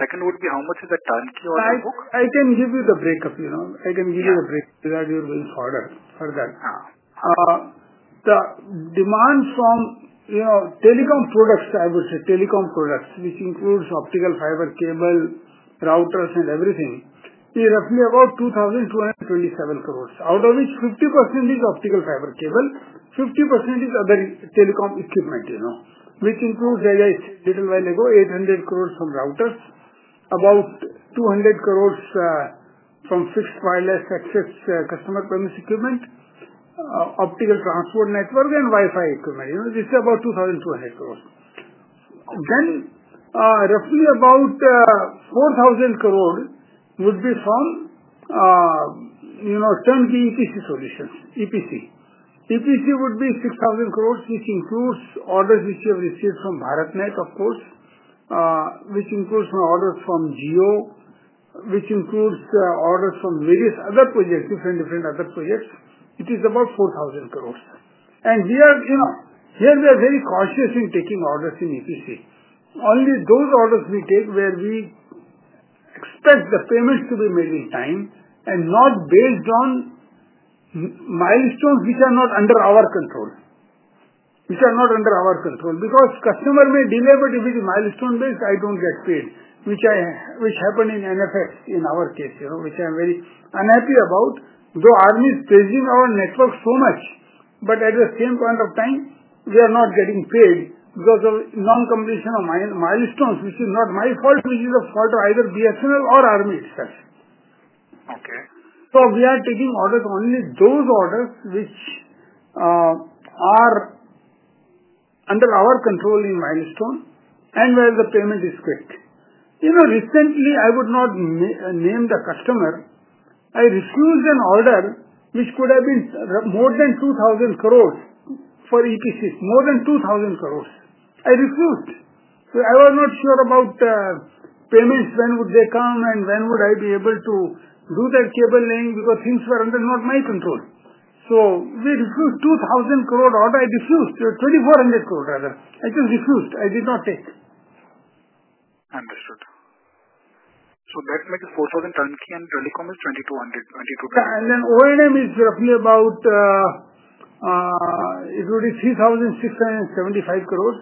Second would be how much is the turnkey order book? I can give you the breakup. I can give you the breakup. You are doing further for that. The demand from telecom products, I would say telecom products, which includes optical fiber cable, routers, and everything, is roughly about 2,227 crore, out of which 50% is optical fiber cable, 50% is other telecom equipment, which includes, as I said a little while ago, 800 crore from routers, about 200 crore from fixed wireless access, customer premise equipment, optical transport network, and Wi-Fi equipment. This is about INR 2,200 crore. Then roughly about 4,000 crore would be from turnkey EPC solutions, EPC. EPC would be 6,000 crore, which includes orders which we have received from BharatNet, of course, which includes orders from Jeo, which includes orders from various other projects, different different other projects. It is about 4,000 crore. Here, we are very cautious in taking orders in EPC. Only those orders we take where we expect the payments to be made in time and not based on milestones which are not under our control. Because customer may delay, but if it is milestone-based, I do not get paid, which happened in NFX in our case, which I am very unhappy about. Though Army is praising our network so much, at the same point of time, we are not getting paid because of non-completion of milestones, which is not my fault, which is the fault of either BSNL or ARMY itself. We are taking orders only those orders which are under our control in milestone and where the payment is quick. Recently, I would not name the customer. I refused an order which could have been more than 20 billion for EPCs, more than 20 billion. I refused. I was not sure about payments, when would they come, and when would I be able to do that cable laying because things were under not my control. We refused 2,000 crore order. I refused 2,400 crore order. I just refused. I did not take. Understood. That makes 4,000 crore turnkey and telecom is 2,200 crore, INR 22,000 crore. Yeah. ONM is roughly about, it would be 3,675 crore.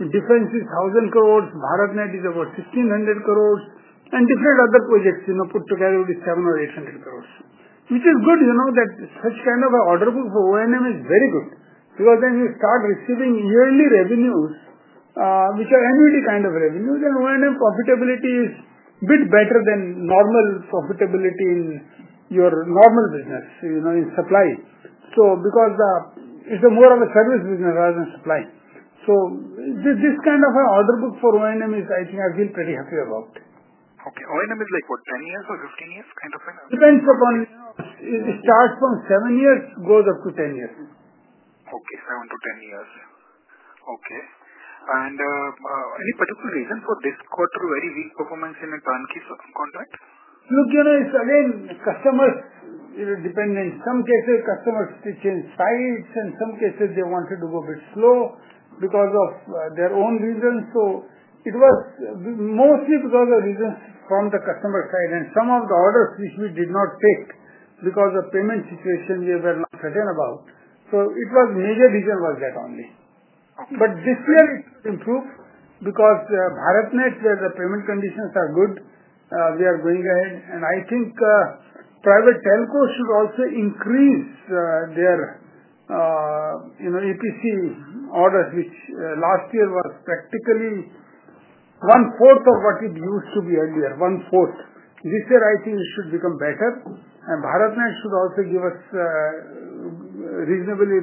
The difference is 1,000 crore. BharatNet is about 1,600 crore. Different other projects put together would be 700-800 crore, which is good. Such kind of an order book for ONM is very good because then you start receiving yearly revenues, which are annuity kind of revenues. ONM profitability is a bit better than normal profitability in your normal business in supply because it's more of a service business rather than supply. This kind of an order book for ONM is, I think, I feel pretty happy about. ONM is like what, 10 years or 15 years kind of an? Depends upon it starts from 7 years, goes up to 10 years. 7-10 years. Any particular reason for this quarter very weak performance in a turnkey contract? Look, it's again customer dependent. In some cases, customers changed sides, and in some cases, they wanted to go a bit slow because of their own reasons. It was mostly because of reasons from the customer side. Some of the orders, which we did not take because of payment situation, we were not certain about. The major reason was that only. This year, it improved because BharatNet, where the payment conditions are good, they are going ahead. I think private telcos should also increase their EPC orders, which last year was practically one-fourth of what it used to be earlier, one-fourth. This year, I think it should become better. BharatNet should also give us reasonably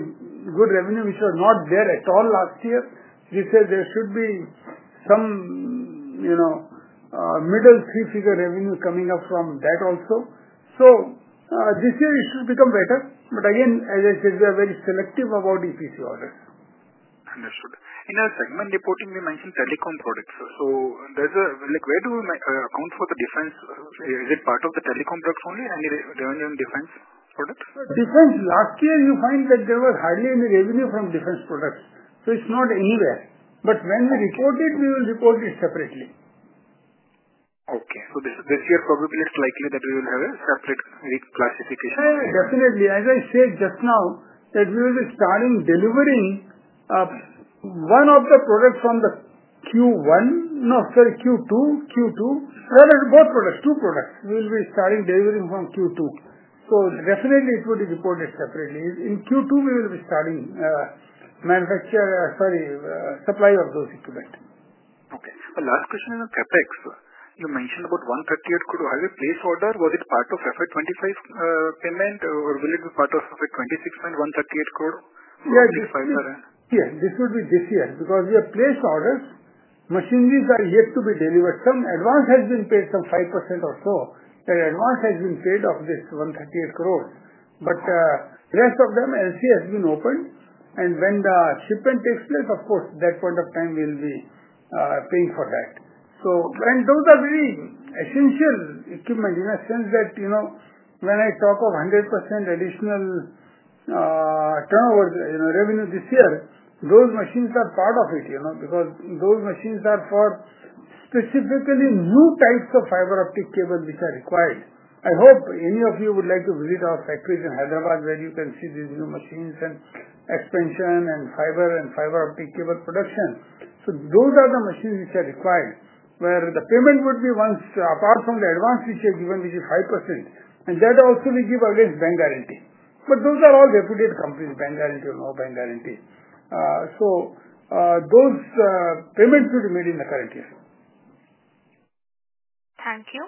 good revenue, which was not there at all last year. This year, there should be some middle three-figure revenue coming up from that also. This year, it should become better. Again, as I said, we are very selective about EPC orders. Understood. In segment reporting, we mentioned telecom products. Where do we account for the defense? Is it part of the telecom products only? Any revenue in defense products? Defense, last year, you find that there was hardly any revenue from defense products. It is not anywhere. When we report it, we will report it separately. Okay, This year, probably it's likely that we will have a separate classification. Definitely. As I said just now, we will be starting delivering one of the products from Q1, no, sorry, Q2, Q2. Both products, two products, we will be starting delivering from Q2. Definitely, it would be reported separately. In Q2, we will be starting manufacture, sorry, supply of those equipment. Okay. Last question on the CapEx. You mentioned about 138 crore. Was it placed order? Was it part of FY 2025 payment, or will it be part of FY 2026 payment, 138 crore? Yeah. This would be this year because we have placed orders. Machineries are yet to be delivered. Some advance has been paid, some 5% or so. The advance has been paid of this 138 crore. The rest of them, LC has been opened. When the shipment takes place, of course, at that point of time, we will be paying for that. Those are very essential equipment in a sense that when I talk of 100% additional turnover revenue this year, those machines are part of it because those machines are for specifically new types of fiber optic cable which are required. I hope any of you would like to visit our factories in Hyderabad, where you can see these new machines and expansion and fiber and fiber optic cable production. Those are the machines which are required, where the payment would be once, apart from the advance which is given, which is 5%. That also we give against bank guarantee. Those are all reputed companies, bank guarantee or no bank guarantee. Those payments should be made in the current year. Thank you,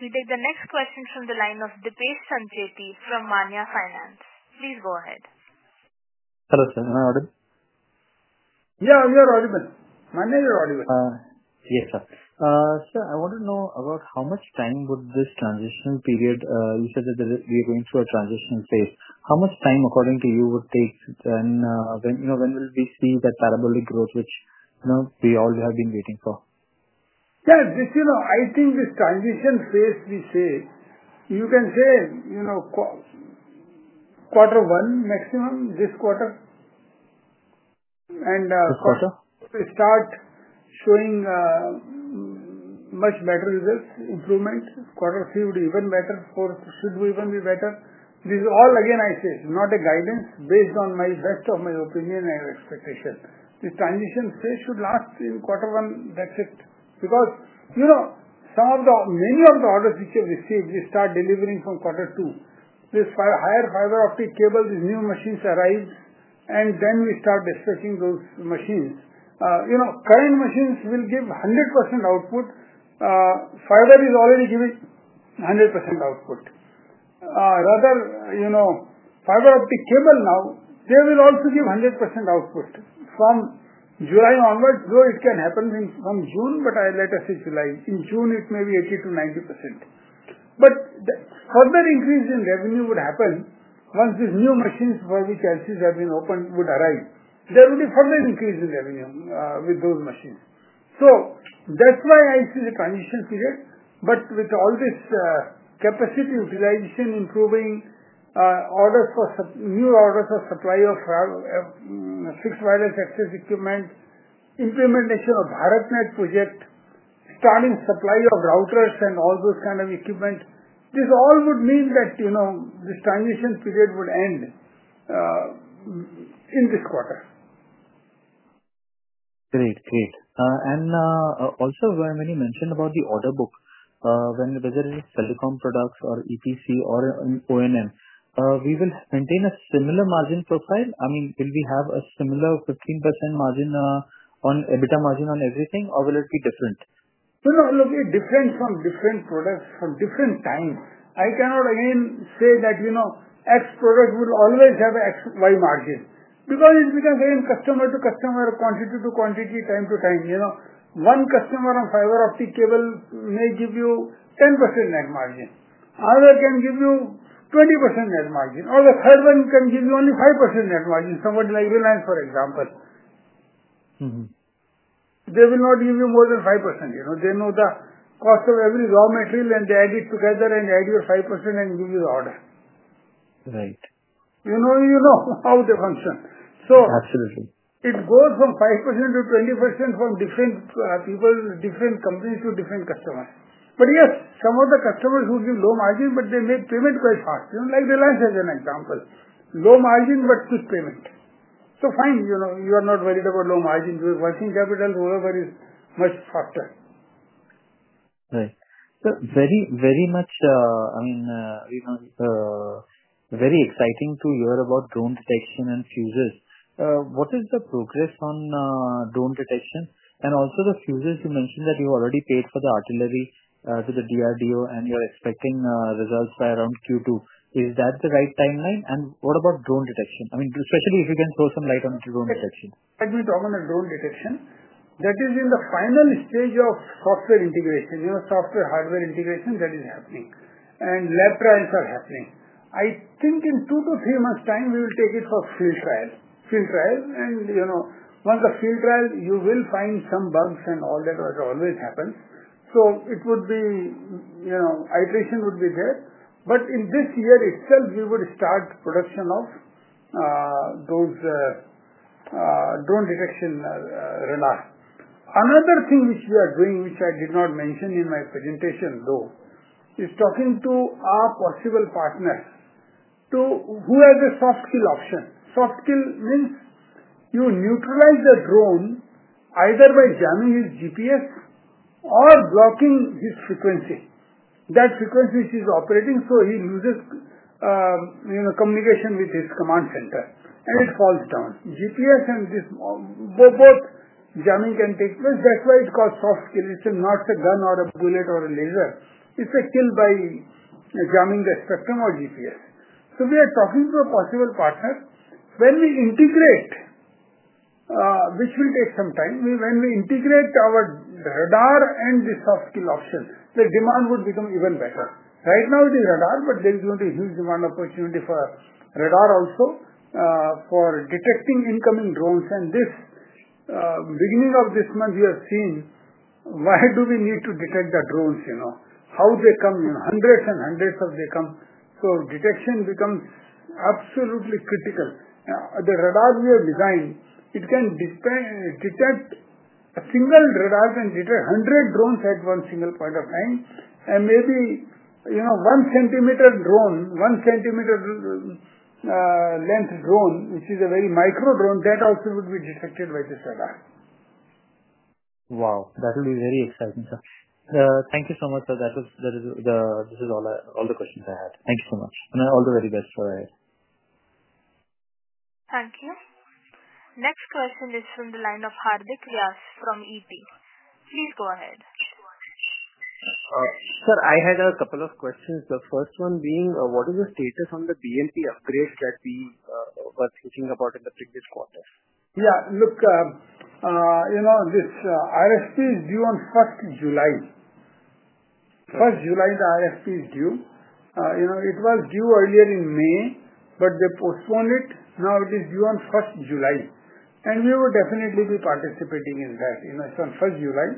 We take the next question from the line of Dipesh Sanchetti from Manya Finance. Please go ahead. Hello, sir. Am I audible? Yeah. You are audible. Manya is audible. Yes, sir. Sir, I want to know about how much time would this transition period you said that we are going through a transition phase. How much time, according to you, would take then? When will we see that parabolic growth which we all have been waiting for? Yeah. I think this transition phase, we say, you can say quarter one maximum this quarter. And quarter? Start showing much better results, improvement. Quarter three would be even better. Fourth should even be better. This is all, again, I say, not a guidance based on my best of my opinion and expectation. This transition phase should last in quarter one. That's it. Because many of the orders which we receive, we start delivering from quarter two. This higher fiber optic cable, these new machines arrived, and then we start dispatching those machines. Current machines will give 100% output. Fiber is already giving 100% output. Rather, fiber optic cable now, they will also give 100% output from July onward. Though it can happen from June, but I'll let us say July. In June, it may be 80-90%. Further increase in revenue would happen once these new machines for which LCs have been opened would arrive. There would be further increase in revenue with those machines. That is why I see the transition period. With all this capacity utilization, improving orders for new orders of supply of fixed wireless access equipment, implementation of the BharatNet project, starting supply of routers and all those kind of equipment, this all would mean that this transition period would end in this quarter. Great. Great. Also, when you mentioned about the order book, whether it is telecom products or EPC or ONM, we will maintain a similar margin profile? I mean, will we have a similar 15% margin on EBITDA margin on everything, or will it be different? Look, it depends from different products, from different times. I cannot, again, say that X product will always have XY margin because it becomes, again, customer to customer, quantity to quantity, time to time. One customer on optical fiber cable may give you 10% net margin. Other can give you 20% net margin. Or the third one can give you only 5% net margin. Somebody like Reliance, for example. They will not give you more than 5%. They know the cost of every raw material, and they add it together and add your 5% and give you the order. Right. You know how they function. It goes from 5%-20% from different people, different companies to different customers. Yes, some of the customers will give low margin, but they make payment quite fast. Like Reliance as an example, low margin but quick payment. Fine, you are not worried about low margin. You have working capital. Work is much faster. Right. Very, very much, I mean, very exciting to hear about drone detection and fuses. What is the progress on drone detection? Also, the fuzes, you mentioned that you already paid for the artillery to the DRDO, and you're expecting results by around Q2. Is that the right timeline? What about drone detection? I mean, especially if you can throw some light onto drone detection. Let me talk on the drone detection. That is in the final stage of software integration, software hardware integration that is happening. Lab trials are happening. I think in two to three months' time, we will take it for field trials. Once the field trials, you will find some bugs and all that always happens. It would be iteration would be there. In this year itself, we would start production of those Drone Detection Radar. Another thing which we are doing, which I did not mention in my presentation, though, is talking to our possible partners who have the soft kill option. Soft kill means you neutralize the drone either by jamming his GPS or blocking his frequency. That frequency which is operating, so he loses communication with his command center, and it falls down. GPS and both jamming can take place. That's why it is called soft kill. It's not a gun or a bullet or a laser. It's a kill by jamming the spectrum or GPS. We are talking to a possible partner. When we integrate, which will take some time, when we integrate our radar and the soft kill option, the demand would become even better. Right now, it is radar, but there is going to be a huge demand opportunity for radar also for detecting incoming drones. This beginning of this month, we have seen why do we need to detect the drones, how they come, hundreds and hundreds of they come. Detection becomes absolutely critical. The radar we have designed, it can detect a single radar can detect 100 drones at one single point of time. Maybe 1-centimeter drone, 1-centimeter-length drone, which is a very micro drone, that also would be detected by this radar. Wow, That will be very exciting, sir. Thank you so much, sir. This is all the questions I had. Thank you so much. All the very best for ahead. Thank you. Next question is from the line of Hardik Vyas from EP. Please go ahead. Sir, I had a couple of questions. The first one being, what is the status on the BNP upgrade that we were thinking about in the previous quarter? Yeah, Look, this RFP is due on 1st July. 1st July, the RFP is due. It was due earlier in May, but they postponed it. Now it is due on 1st July. We will definitely be participating in that. It is on 1st July.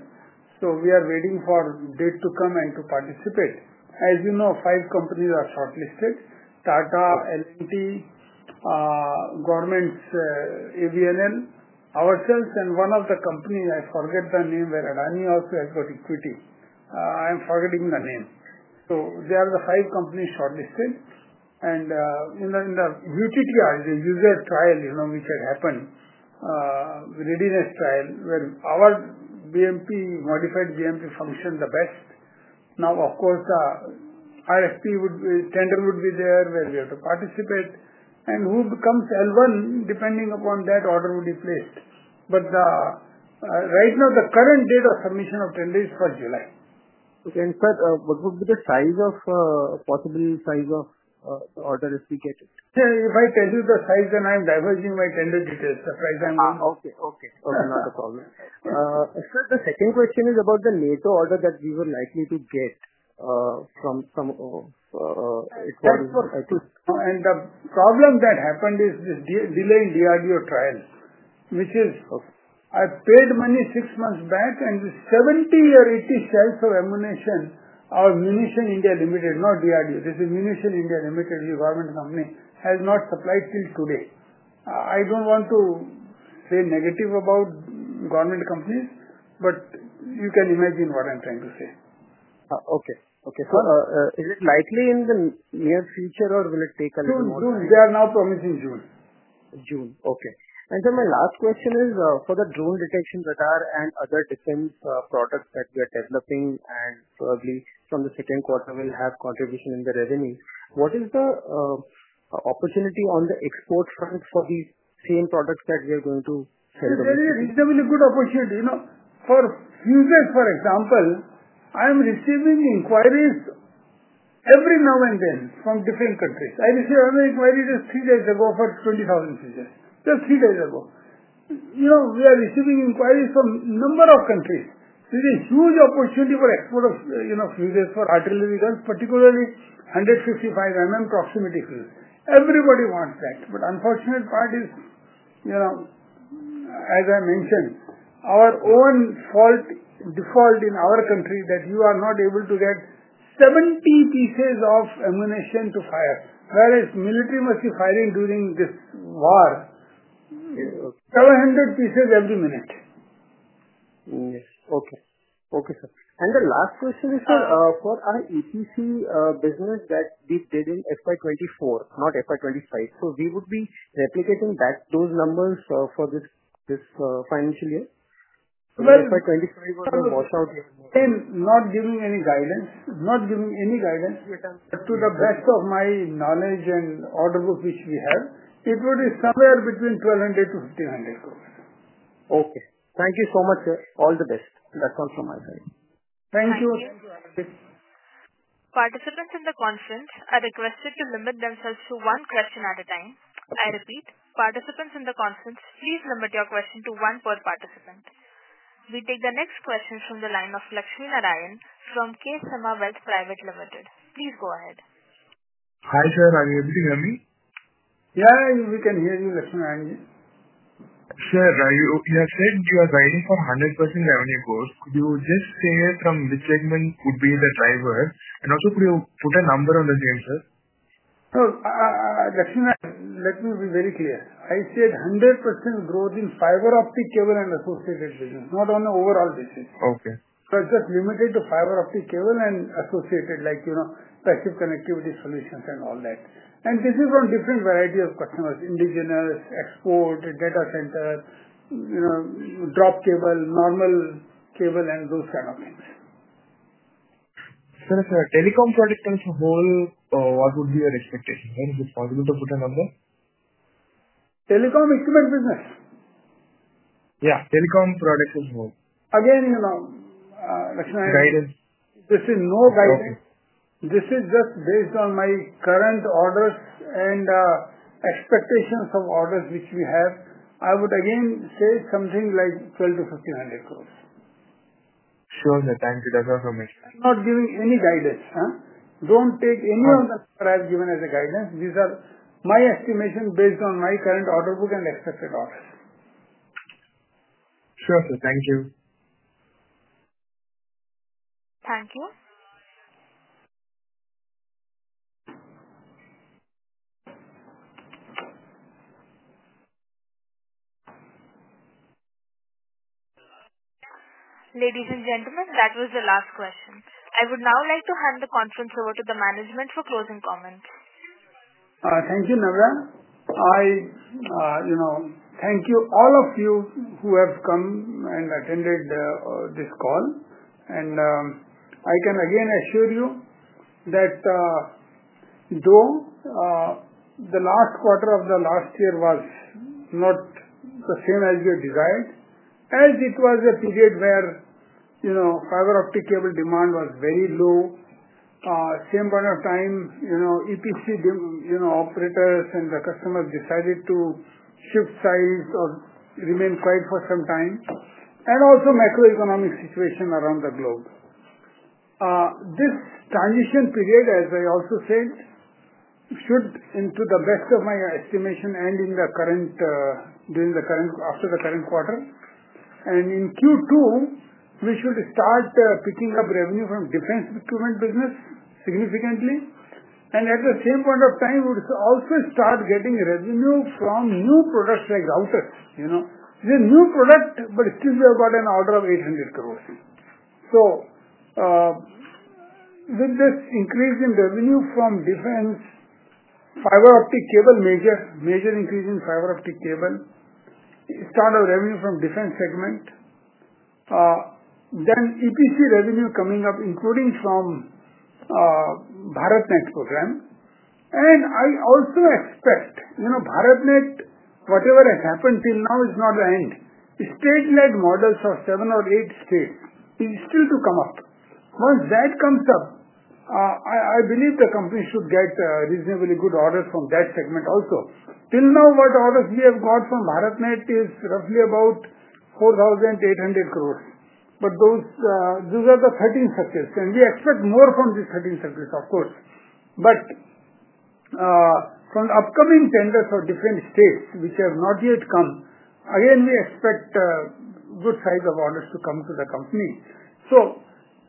We are waiting for the date to come and to participate. As you know, five companies are shortlisted: TATA, L&T, Governments, AVNL, ourselves, and one of the companies, I forget the name, where Adani also has got equity. I am forgetting the name. There are the five companies shortlisted. In the UTTR, the user trial which had happened, readiness trial, our BNP, modified BNP functioned the best. Now, of course, the RFP would be tender would be there where we have to participate. Who becomes L1, depending upon that, order would be placed. Right now, the current date of submission of tender is 1 July. Okay. Sir, what would be the possible size of the order if we get it? If I tell you the size, then I'm diverging my tender details. Surprise, I'm going to. Okay. Okay. Okay. Not a problem. Sir, the second question is about the NATO order that we were likely to get from some. That's for. The problem that happened is this delay in DRDO trial, which is I paid money six months back, and with 70 or 80 shells of ammunition, our Munition India Limited, not DRDO. This is Munition India Limited, which is a government company, has not supplied till today. I don't want to say negative about government companies, but you can imagine what I'm trying to say. Okay. Okay. Is it likely in the near future, or will it take a little more time? They are now promising June. June. Okay. My last question is for the Drone Detection Radar and other defense products that we are developing and probably from the second quarter will have contribution in the revenue. What is the opportunity on the export front for these same products that we are going to sell? It is a reasonably good opportunity. For fuses, for example, I am receiving inquiries every now and then from different countries. I received another inquiry just three days ago for 20,000 fuses. Just three days ago. We are receiving inquiries from a number of countries. This is a huge opportunity for export of fuses for artillery guns, particularly 155 proximity fuse. Everybody wants that. The unfortunate part is, as I mentioned, our own fault, default in our country that you are not able to get 70 pieces of ammunition to fire, whereas military must be firing during this war, 700 pieces every minute. Yes. Okay. Okay, sir. The last question is, sir, for our EPC business that we did in FY 2024, not FY 2025. So we would be replicating back those numbers for this financial year? FY 2025 was a washout. I'm not giving any guidance. Not giving any guidance. To the best of my knowledge and order book which we have, it would be somewhere between 1,200 crore-1,500 crore. Okay. Thank you so much, sir. All the best. Thank you. Thank you, Hardik. Participants in the conference are requested to limit themselves to one question at a time. I repeat, participants in the conference, please limit your question to one per participant. We take the next question from the line of Lakshmi Narayan from K. Sema Wealth Private Limited. Please go ahead. Hi, sir. Are you able to hear me? Yeah. We can hear you, Lakshmi Narayan. Sir, you have said you are riding for 100% revenue growth. Could you just say from which segment would be the driver? Also, could you put a number on the same, sir? Lakshmi Narayan, let me be very clear. I said 100% growth in fiber optic cable and associated business, not on the overall business. Okay. Was just limited to fiber optic cable and associated, like passive connectivity solutions and all that. This is from different varieties of customers: indigenous, export, data center, drop cable, normal cable, and those kind of things. Sir, if telecom product comes whole, what would be your expectation? Is it possible to put a number? Telecom equipment business. Yeah. Telecom products as well. Again, Lakshmi Narayan, this is no guidance. This is just based on my current orders and expectations of orders which we have. I would, again, say something like 1,200 crore-1,500 crore. Sure. That's a good estimate. I'm not giving any guidance. Don't take any of the number I've given as a guidance. These are my estimation based on my current order book and expected orders. Sure, sir. Thank you. Thank you. Ladies and gentlemen, that was the last question. I would now like to hand the conference over to the management for closing comments. Thank you, Navra. I thank you, all of you who have come and attended this call. I can, again, assure you that though the last quarter of the last year was not the same as we had desired, as it was a period where optical fiber cable demand was very low, at the same point of time, EPC operators and the customers decided to shift size or remain quiet for some time, and also macroeconomic situation around the globe. This transition period, as I also said, should, to the best of my estimation, end after the current quarter. In Q2, we should start picking up revenue from defense equipment business significantly. At the same point of time, we should also start getting revenue from new products like routers. It's a new product, but it could be about an order of 8,000,000,000. With this increase in revenue from defense, fiber optic cable, major increase in fiber optic cable, start of revenue from defense segment, then EPC revenue coming up, including from the BharatNet program. I also expect BharatNet, whatever has happened till now, is not the end. State-led models for seven or eight states are still to come up. Once that comes up, I believe the company should get reasonably good orders from that segment also. Till now, what orders we have got from BharatNet is roughly about 4,800 crore. Those are the 13 circuits. We expect more from these 13 circuits, of course. From the upcoming tenders for different states which have not yet come, again, we expect good size of orders to come to the company.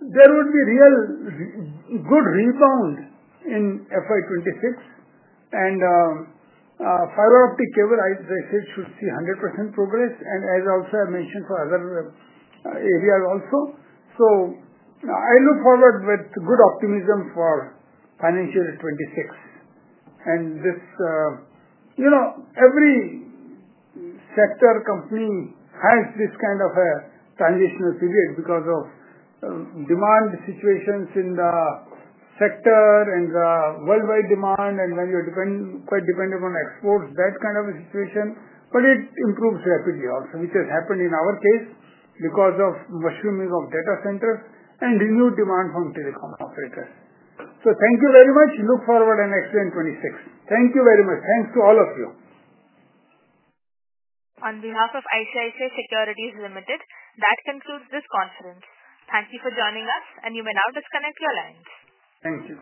There would be real good rebound in FY 2026. Fiber optic cable, as I said, should see 100% progress. As also I mentioned for other areas also. I look forward with good optimism for FY 2026. Every sector company has this kind of a transitional period because of demand situations in the sector and the worldwide demand. When you're quite dependent on exports, that kind of a situation. It improves rapidly also, which has happened in our case because of mushrooming of data centers and renewed demand from telecom operators. Thank you very much. Look forward to next year in 2026. Thank you very much. Thanks to all of you. On behalf of ICICI Securities Limited, that concludes this conference. Thank you for joining us, and you may now disconnect your lines. Thank you.